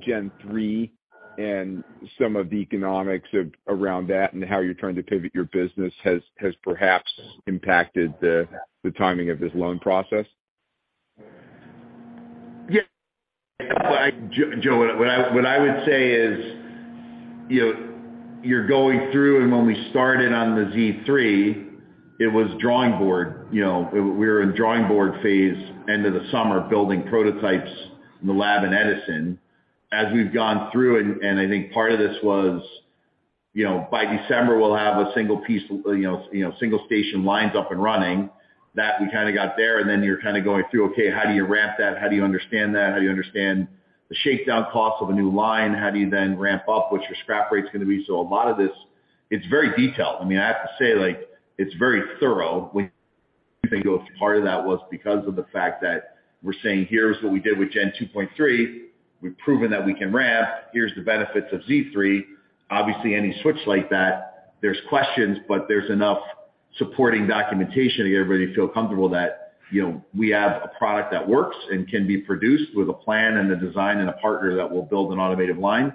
Speaker 7: Gen 3 and some of the economics of around that and how you're trying to pivot your business has perhaps impacted the timing of this loan process?
Speaker 3: Joe, what I would say is, you know, you're going through and when we started on the Z3, it was drawing board. You know, we're in drawing board phase end of the summer, building prototypes in the lab in Edison. We've gone through and I think part of this was, you know, by December we'll have a single piece, single station lines up and running. We kinda got there, and then you're kinda going through, okay, how do you ramp that? How do you understand that? How do you understand the shakedown cost of a new line? How do you then ramp up? What's your scrap rate's gonna be? A lot of this, it's very detailed. I mean, I have to say, like, it's very thorough. We think part of that was because of the fact that we're saying, here's what we did with Gen 2.3. We've proven that we can ramp. Here's the benefits of Z3. Obviously, any switch like that, there's questions, but there's enough supporting documentation to get everybody to feel comfortable that, you know, we have a product that works and can be produced with a plan and a design and a partner that will build an automated line.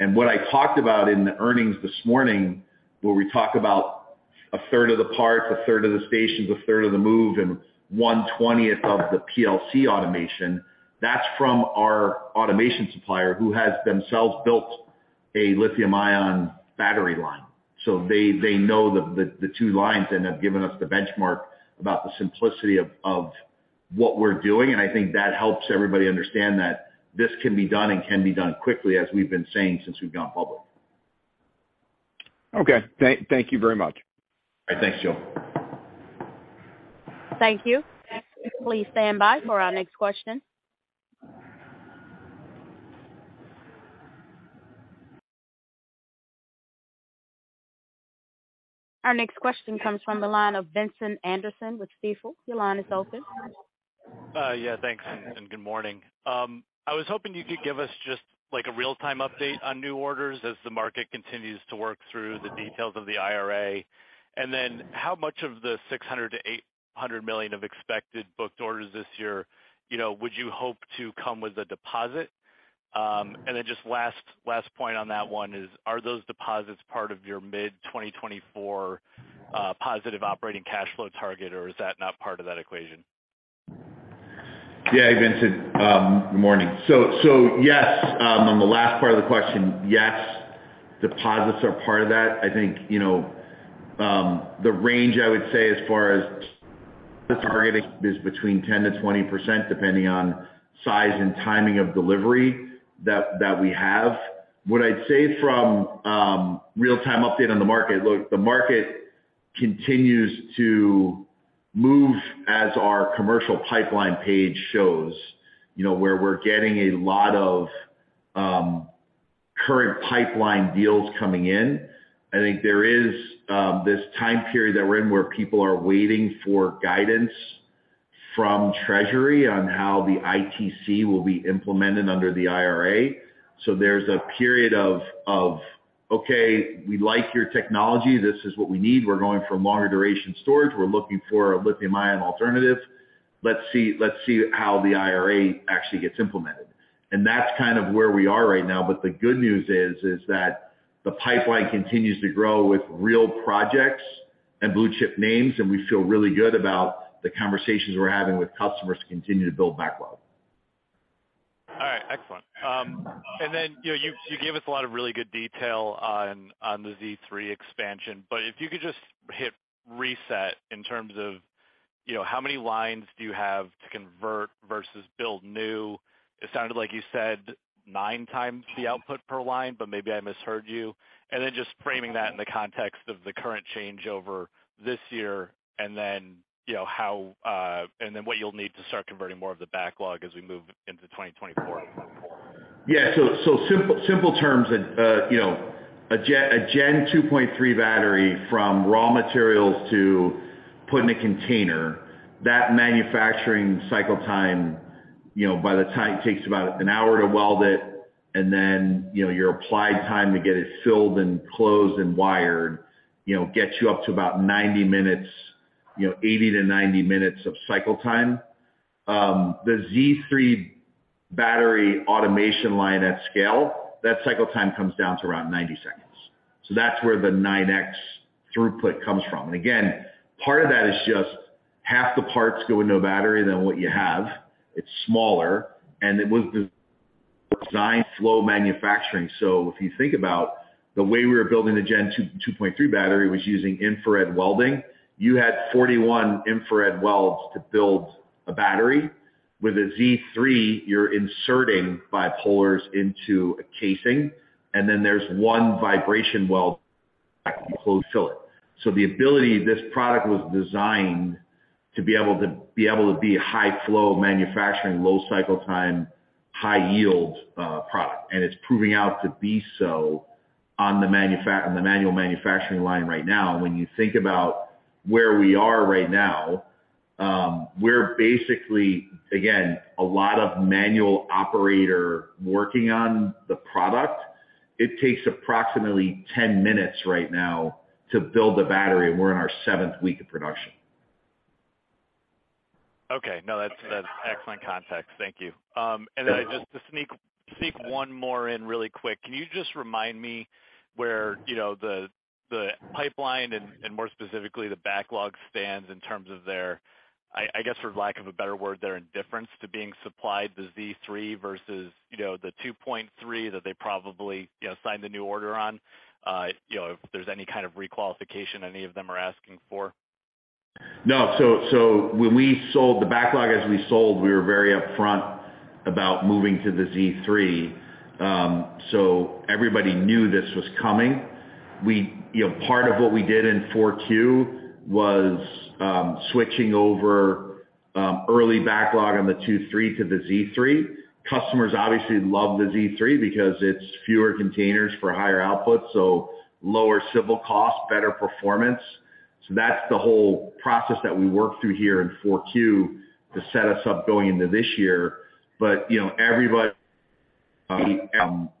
Speaker 3: What I talked about in the earnings this morning, where we talk about a third of the parts, a third of the stations, a third of the move, and one-twentieth of the PLC automation, that's from our automation supplier who has themselves built a lithium-ion battery line. They know the two lines and have given us the benchmark about the simplicity of what we're doing, and I think that helps everybody understand that this can be done and can be done quickly, as we've been saying since we've gone public.
Speaker 7: Okay. Thank you very much.
Speaker 3: All right. Thanks, Joe.
Speaker 1: Thank you. Please stand by for our next question. Our next question comes from the line of Vincent Anderson with Stifel. Your line is open.
Speaker 8: Yeah, thanks, and good morning. I was hoping you could give us just, like, a real-time update on new orders as the market continues to work through the details of the IRA. How much of the $600 million-$800 million of expected booked orders this year, you know, would you hope to come with a deposit? Just last point on that one is, are those deposits part of your mid-2024 positive operating cash flow target, or is that not part of that equation?
Speaker 3: Yeah. Hey, Vincent, good morning. Yes, on the last part of the question, yes, deposits are part of that. I think, you know, the range I would say as far as the targeting is between 10%-20%, depending on size and timing of delivery that we have. What I'd say from real-time update on the market. Look, the market continues to move as our commercial pipeline page shows, you know, where we're getting a lot of current pipeline deals coming in. I think there is this time period that we're in where people are waiting for guidance from Treasury on how the ITC will be implemented under the IRA. There's a period of, "Okay, we like your technology. This is what we need. We're going for longer duration storage. We're looking for a lithium-ion alternative. Let's see, let's see how the IRA actually gets implemented." That's kind of where we are right now, but the good news is that the pipeline continues to grow with real projects and Blue Chip names, and we feel really good about the conversations we're having with customers to continue to build backlog.
Speaker 8: All right, excellent. You know, you gave us a lot of really good detail on the Z3 expansion, but if you could just hit reset in terms of, you know, how many lines do you have to convert versus build new. It sounded like you said nine times the output per line, but maybe I misheard you. Just framing that in the context of the current changeover this year and then, you know, how, and then what you'll need to start converting more of the backlog as we move into 2024.
Speaker 3: So simple terms, you know, a Gen 2.3 battery from raw materials to put in a container, that manufacturing cycle time. You know, by the time it takes about 1 hour to weld it, and then, you know, your applied time to get it filled and closed and wired, you know, gets you up to about 90 minutes, you know, 80-90 minutes of cycle time. The Z3 battery automation line at scale, that cycle time comes down to around 90 seconds. That's where the 9x throughput comes from. Again, part of that is just half the parts go with no battery than what you have. It's smaller, and it was designed flow manufacturing. If you think about the way we were building the Gen 2.3 battery was using infrared welding. You had 41 infrared welds to build a battery. With a Z3, you're inserting bipolars into a casing, and then there's one vibration weld close filler. The ability this product was designed to be able to be high flow manufacturing, low cycle time, high yield product. It's proving out to be so on the manual manufacturing line right now. When you think about where we are right now, we're basically, again, a lot of manual operator working on the product. It takes approximately 10 minutes right now to build the battery, and we're in our seventh week of production.
Speaker 8: No, that's excellent context. Thank you. Just to sneak one more in really quick, can you just remind me where, you know, the pipeline and, more specifically, the backlog stands in terms of their, I guess, for lack of a better word, their indifference to being supplied the Z3 versus, you know, the 2.3 that they probably, you know, signed the new order on? You know, if there's any kind of re-qualification any of them are asking for?
Speaker 3: No. When we sold the backlog, as we sold, we were very upfront about moving to the Z3. Everybody knew this was coming. You know, part of what we did in 4Q was switching over, early backlog on the Gen 2.3 to the Z3. Customers obviously love the Z3 because it's fewer containers for higher output, so lower civil costs, better performance. That's the whole process that we worked through here in 4Q to set us up going into this year. You know, everybody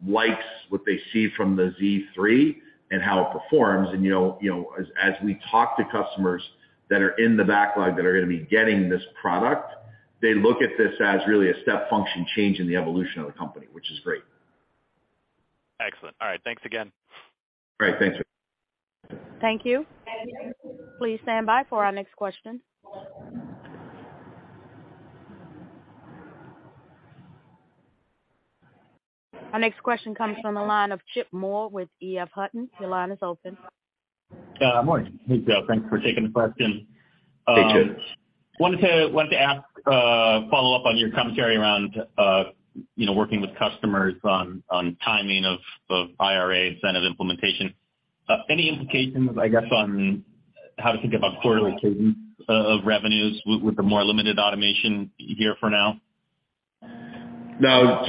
Speaker 3: likes what they see from the Z3 and how it performs. You know, as we talk to customers that are in the backlog that are gonna be getting this product, they look at this as really a step function change in the evolution of the company, which is great.
Speaker 8: Excellent. All right, thanks again.
Speaker 3: Great. Thanks.
Speaker 1: Thank you. Please stand by for our next question. Our next question comes from the line of Chip Moore with EF Hutton. Your line is open.
Speaker 9: Morning. Hey, Joe. Thanks for taking the question.
Speaker 3: Hey, Chip.
Speaker 9: Wanted to ask, follow up on your commentary around, you know, working with customers on timing of IRA incentive implementation. Any implications, I guess, on how to think about quarterly cadence of revenues with the more limited automation here for now?
Speaker 3: No,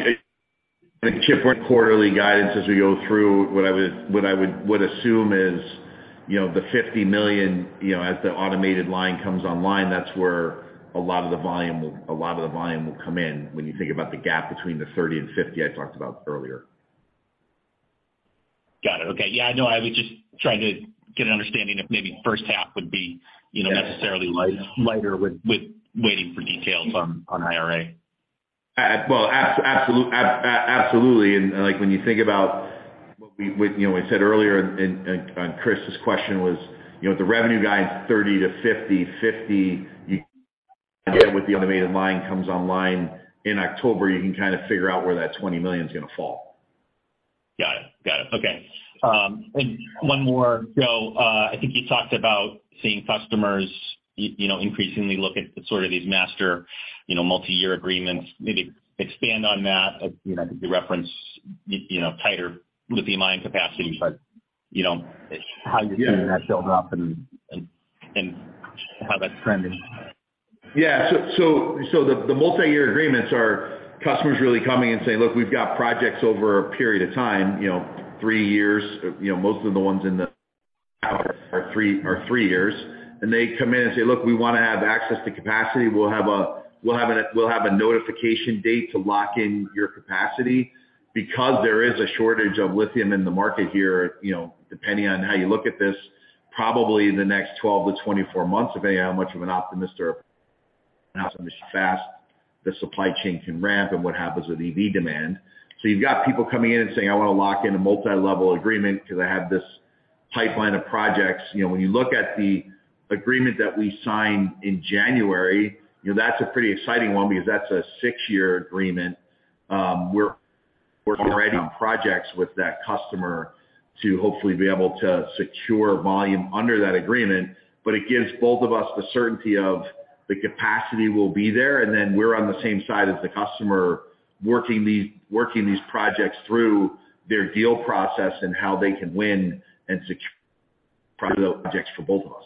Speaker 3: Chip, quarterly guidance as we go through, what I would assume is, you know, the $50 million, you know, as the automated line comes online, that's where a lot of the volume will come in when you think about the gap between the $30 million and $50 million I talked about earlier.
Speaker 9: Got it. Okay. Yeah, I know. I was just trying to get an understanding if maybe first half would be, you know, necessarily light-lighter with waiting for details on IRA.
Speaker 3: Well, absolutely. Like when you think about what we, you know, we said earlier on Chris' question was, you know, the revenue guide is 30-50. With the automated line comes online in October, you can kind of figure out where that $20 million is gonna fall.
Speaker 9: Got it. Got it. Okay. One more, Joe. I think you talked about seeing customers, you know, increasingly look at sort of these master, you know, multi-year agreements. Maybe expand on that. You know, I think you referenced, you know, tighter lithium ion capacity, but, you know, how you're seeing that show up and how that trend is?
Speaker 3: Yeah. So the multiyear agreements are customers really coming and saying, "Look, we've got projects over a period of time, you know, three years." You know, most of the ones in the are three years. They come in and say, "Look, we wanna have access to capacity. We'll have a notification date to lock in your capacity because there is a shortage of lithium in the market here, you know, depending on how you look at this, probably in the next 12-24 months, depending on how much of an optimist or how fast the supply chain can ramp and what happens with EV demand. You've got people coming in and saying, "I wanna lock in a multilevel agreement because I have this pipeline of projects." You know, when you look at the agreement that we signed in January, you know, that's a pretty exciting one because that's a six year agreement. We're writing projects with that customer to hopefully be able to secure volume under that agreement. It gives both of us the certainty of the capacity will be there, and then we're on the same side as the customer working these projects through their deal process and how they can win and secure projects for both of us.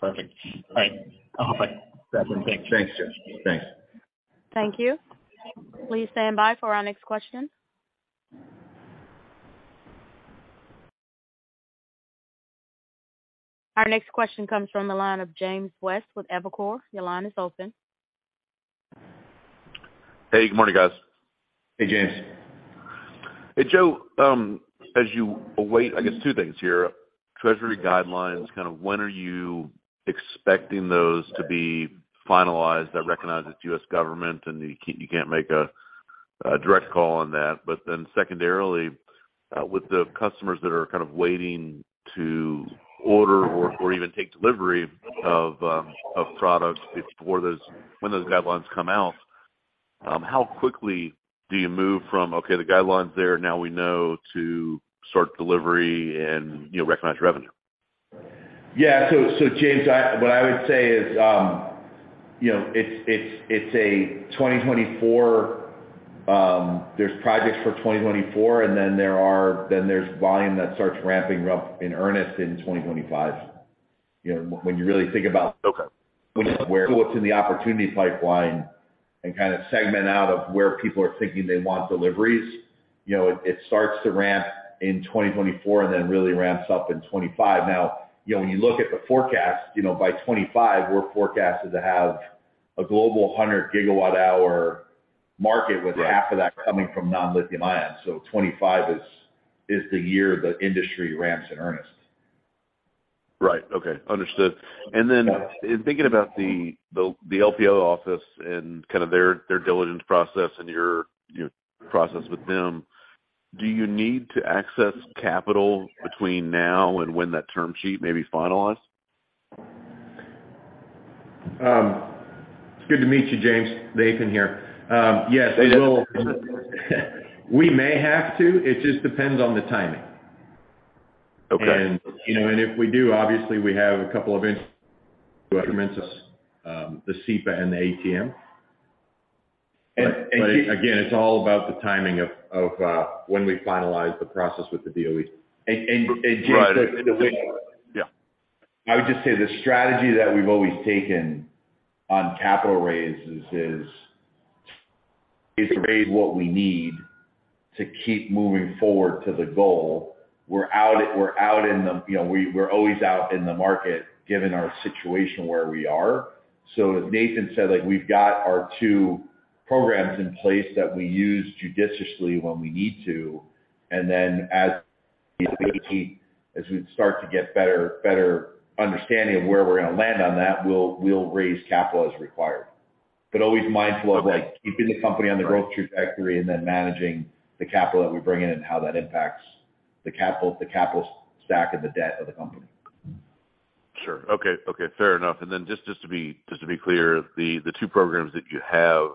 Speaker 9: Perfect. All right. I'll hop back. Thank you.
Speaker 3: Thanks, Chip. Thanks.
Speaker 1: Thank you. Please stand by for our next question. Our next question comes from the line of James West with Evercore. Your line is open.
Speaker 10: Hey, good morning, guys.
Speaker 3: Hey, James.
Speaker 10: Hey, Joe. As you await, I guess two things here. Treasury guidelines, kind of when are you expecting those to be finalized? I recognize it's U.S. government, and you can't make a direct call on that. Secondarily, with the customers that are kind of waiting to order or even take delivery of products when those guidelines come out, how quickly do you move from, okay, the guidelines there, now we know to start delivery and, you know, recognize revenue?
Speaker 3: Yeah. James, what I would say is, you know, it's a 2024, there's projects for 2024, then there's volume that starts ramping up in earnest in 2025. You know, when you really think about what's in the opportunity pipeline and kind of segment out of where people are thinking they want deliveries, you know, it starts to ramp in 2024 and then really ramps up in 2025. Now, you know, when you look at the forecast, you know, by 2025, we're forecasted to have a global 100 GWh market with half of that coming from non-lithium-ion. 2025 is the year the industry ramps in earnest.
Speaker 10: Right. Okay, understood. Then in thinking about the LPO office and kind of their diligence process and your process with them, do you need to access capital between now and when that term sheet may be finalized?
Speaker 4: It's good to meet you, James. Nathan here. Yes, we will. We may have to. It just depends on the timing.
Speaker 10: Okay.
Speaker 3: You know, and if we do, obviously, we have a couple of in. The SEPA and the ATM. Again, it's all about the timing of when we finalize the process with the DOE. James-
Speaker 10: Right. Yeah.
Speaker 3: I would just say the strategy that we've always taken on capital raises is to raise what we need to keep moving forward to the goal. We're out. You know, we're always out in the market, given our situation where we are. As Nathan said, like, we've got our two programs in place that we use judiciously when we need to, and then as we start to get better understanding of where we're gonna land on that, we'll raise capital as required. Always mindful of, like, keeping the company on the growth trajectory and then managing the capital that we bring in and how that impacts the capital stack and the debt of the company.
Speaker 10: Sure. Okay, fair enough. Then just to be clear, the two programs that you have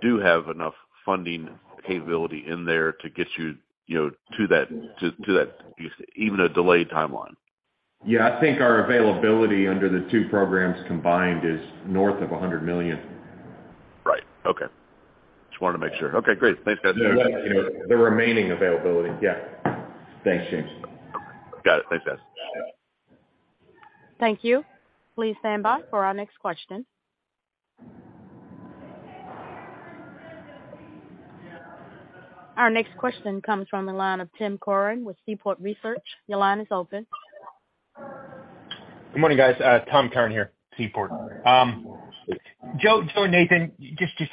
Speaker 10: do have enough funding capability in there to get you know, to that, even a delayed timeline?
Speaker 3: Yeah. I think our availability under the two programs combined is north of $100 million.
Speaker 10: Right. Okay. Just wanted to make sure. Okay, great. Thanks, guys.
Speaker 3: The remaining availability. Yeah. Thanks, James.
Speaker 10: Got it. Thanks, guys.
Speaker 1: Thank you. Please stand by for our next question. Our next question comes from the line of Tom Curran with Seaport Research. Your line is open.
Speaker 11: Good morning, guys. Tom Curran here, Seaport. Joe and Nathan,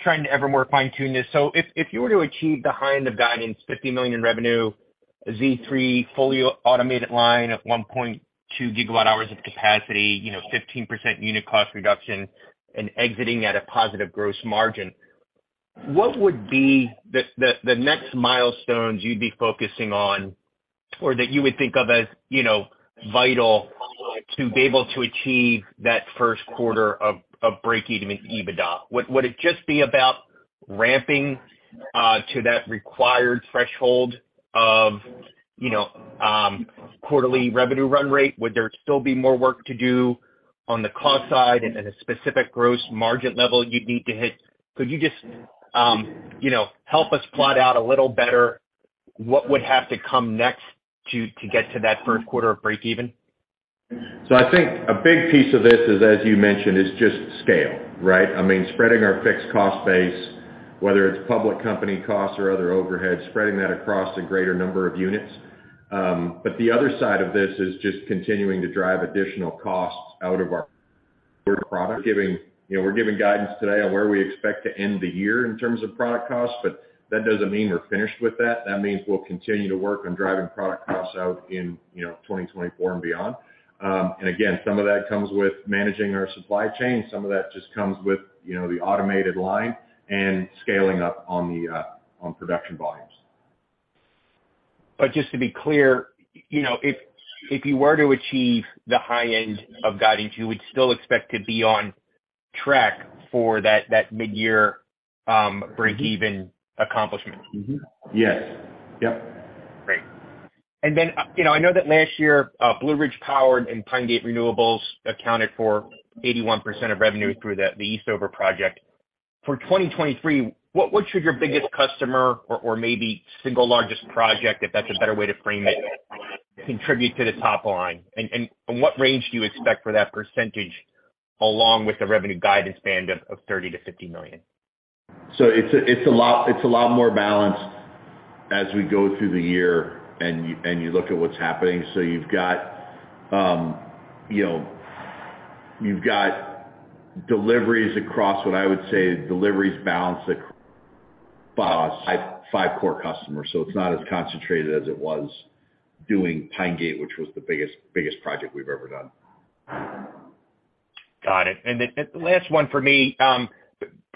Speaker 11: trying to ever more fine-tune this. If you were to achieve the high end of guidance, $50 million revenue, a Z3 fully automated line of 1.2 GWh of capacity, you know, 15% unit cost reduction and exiting at a positive gross margin, what would be the next milestones you'd be focusing on or that you would think of as, you know, vital to be able to achieve that first quarter of break-even EBITDA? Would it just be about ramping to that required threshold of, you know, quarterly revenue run rate? Would there still be more work to do on the cost side and then a specific gross margin level you'd need to hit? Could you just, you know, help us plot out a little better what would have to come next to get to that first quarter of break even?
Speaker 3: I think a big piece of this is, as you mentioned, is just scale, right? I mean, spreading our fixed cost base, whether it's public company costs or other overhead, spreading that across a greater number of units. The other side of this is just continuing to drive additional costs out of our product. You know, we're giving guidance today on where we expect to end the year in terms of product costs, but that doesn't mean we're finished with that. That means we'll continue to work on driving product costs out in, you know, 2024 and beyond. Again, some of that comes with managing our supply chain. Some of that just comes with, you know, the automated line and scaling up on the on production volumes.
Speaker 11: just to be clear, you know, if you were to achieve the high end of guidance, you would still expect to be on track for that mid-year, break even accomplishment?
Speaker 3: Mm-hmm. Yes. Yep.
Speaker 11: Great. You know, I know that last year, Blue Ridge Power and Pine Gate Renewables accounted for 81% of revenue through the Eastover project. For 2023, what should your biggest customer or maybe single largest project, if that's a better way to frame it, contribute to the top line? What range do you expect for that percentage, along with the revenue guidance band of $30 million-$50 million?
Speaker 3: It's a lot more balanced as we go through the year and you look at what's happening. You've got, you know, you've got deliveries across what I would say deliveries balance across five core customers. It's not as concentrated as it was doing Pine Gate, which was the biggest project we've ever done.
Speaker 11: Got it. The last one for me,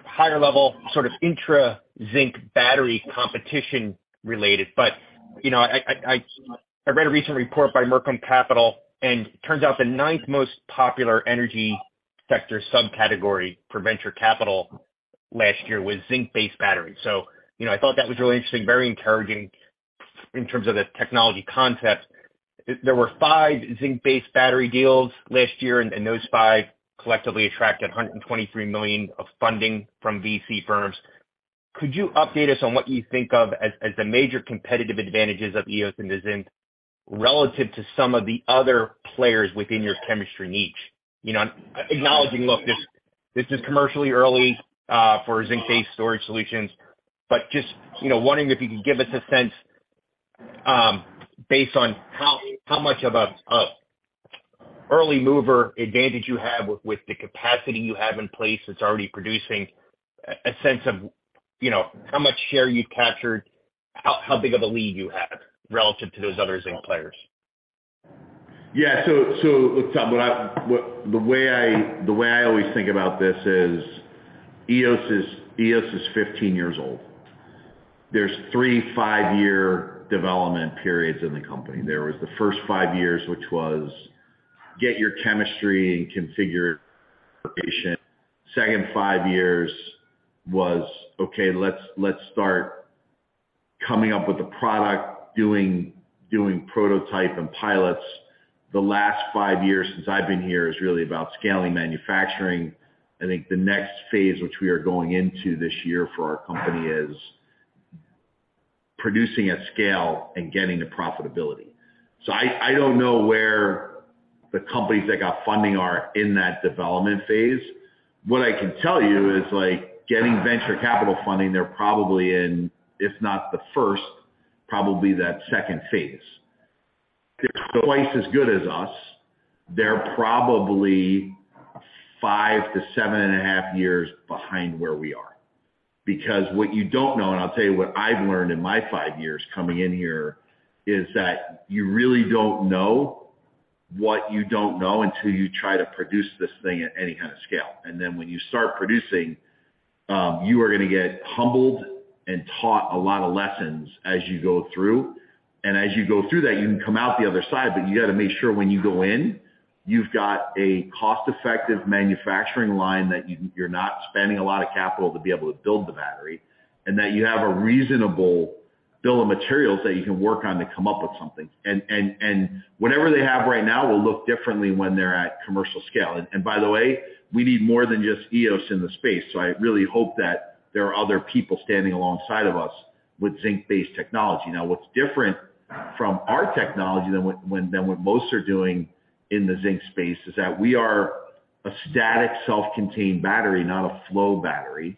Speaker 11: higher level sort of intra zinc battery competition related. You know, I read a recent report by Mercom Capital, and turns out the ninth most popular energy sector subcategory for venture capital last year was zinc-based batteries. You know, I thought that was really interesting, very encouraging in terms of the technology concept. There were five zinc-based battery deals last year, and those five collectively attracted $123 million of funding from VC firms. Could you update us on what you think of as the major competitive advantages of Eos and the zinc relative to some of the other players within your chemistry niche? You know, acknowledging, look, this is commercially early for zinc-based storage solutions, but just, you know, wondering if you could give us a sense based on how much of a early mover advantage you have with the capacity you have in place that's already producing a sense of, you know, how much share you've captured, how big of a lead you have relative to those other zinc players.
Speaker 3: Look, Tom, the way I always think about this is Eos is 15 years old. There's three five-year development periods in the company. There was the first five years, which was get your chemistry and configure location. Second five years was, okay, let's start coming up with a product, doing prototype and pilots. The last five years since I've been here is really about scaling manufacturing. I think the next phase, which we are going into this year for our company, is producing at scale and getting to profitability. I don't know where the companies that got funding are in that development phase. What I can tell you is, like, getting venture capital funding, they're probably in, if not the first, probably that second phase. If they're twice as good as us, they're probably 5 to seven and a half years behind where we are. What you don't know, and I'll tell you what I've learned in my 5 years coming in here, is that you really don't know what you don't know until you try to produce this thing at any kind of scale. Then when you start producing, you are gonna get humbled and taught a lot of lessons as you go through. As you go through that, you can come out the other side, but you got to make sure when you go in, you've got a cost-effective manufacturing line that you're not spending a lot of capital to be able to build the battery, and that you have a reasonable bill of materials that you can work on to come up with something. Whatever they have right now will look differently when they're at commercial scale. By the way, we need more than just Eos in the space, so I really hope that there are other people standing alongside of us with zinc-based technology. What's different from our technology than what most are doing in the zinc space is that we are a static, self-contained battery, not a flow battery.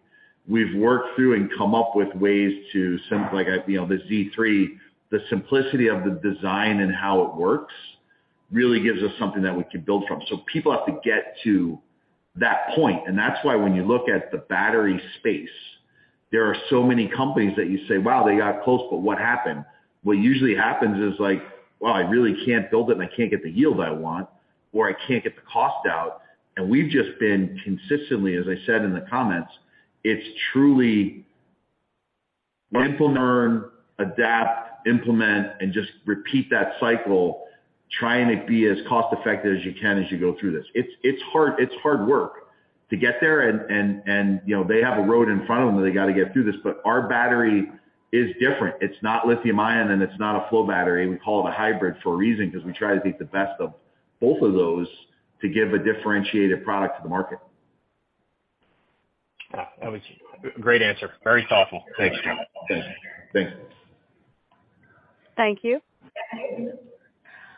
Speaker 3: We've worked through and come up with ways to, like, you know, the Z3, the simplicity of the design and how it works really gives us something that we can build from. People have to get to that point, and that's why when you look at the battery space, there are so many companies that you say, "Wow, they got close, but what happened?" What usually happens is like, "Well, I really can't build it and I can't get the yield I want, or I can't get the cost out." We've just been consistently, as I said in the comments, it's truly learn, adapt, implement, and just repeat that cycle, trying to be as cost effective as you can as you go through this. It's hard, it's hard work to get there and, you know, they have a road in front of them that they got to get through this, but our battery is different. It's not lithium-ion and it's not a flow battery. We call it a hybrid for a reason because we try to take the best of both of those to give a differentiated product to the market.
Speaker 11: That was a great answer. Very thoughtful. Thanks, Joe.
Speaker 3: Thanks. Thanks.
Speaker 1: Thank you.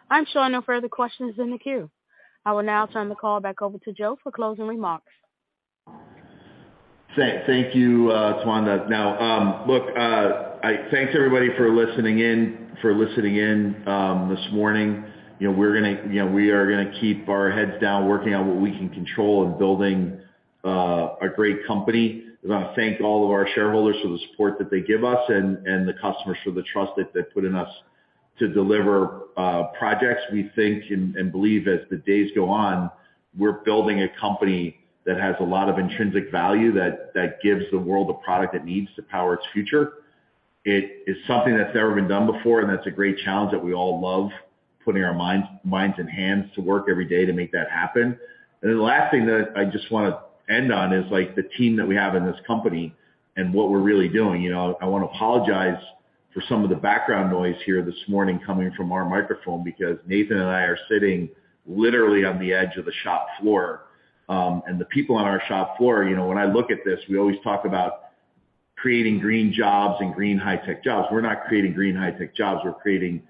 Speaker 1: I'm showing no further questions in the queue. I will now turn the call back over to Joe for closing remarks.
Speaker 3: Thank you, Tawanda. Now, look, thanks everybody for listening in this morning. You know, we're gonna, you know, we are gonna keep our heads down, working on what we can control and building a great company. I thank all of our shareholders for the support that they give us and the customers for the trust that they put in us to deliver projects. We think and believe as the days go on, we're building a company that has a lot of intrinsic value that gives the world a product that needs to power its future. It is something that's never been done before, and that's a great challenge that we all love putting our minds and hands to work every day to make that happen. The last thing that I just wanna end on is, like, the team that we have in this company and what we're really doing. You know, I want to apologize for some of the background noise here this morning coming from our microphone because Nathan and I are sitting literally on the edge of the shop floor. And the people on our shop floor, you know, when I look at this, we always talk about creating green jobs and green high tech jobs. We're not creating green high tech jobs. We're creating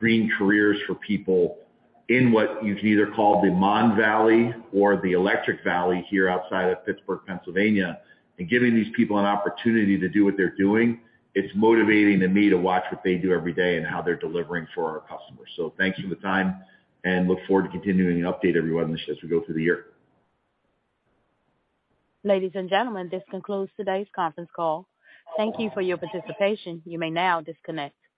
Speaker 3: green careers for people in what you can either call the Mon Valley or the Electric Valley here outside of Pittsburgh, Pennsylvania, and giving these people an opportunity to do what they're doing. It's motivating to me to watch what they do every day and how they're delivering for our customers. Thanks for the time and look forward to continuing to update everyone as we go through the year.
Speaker 1: Ladies and gentlemen, this concludes today's conference call. Thank you for your participation. You may now disconnect.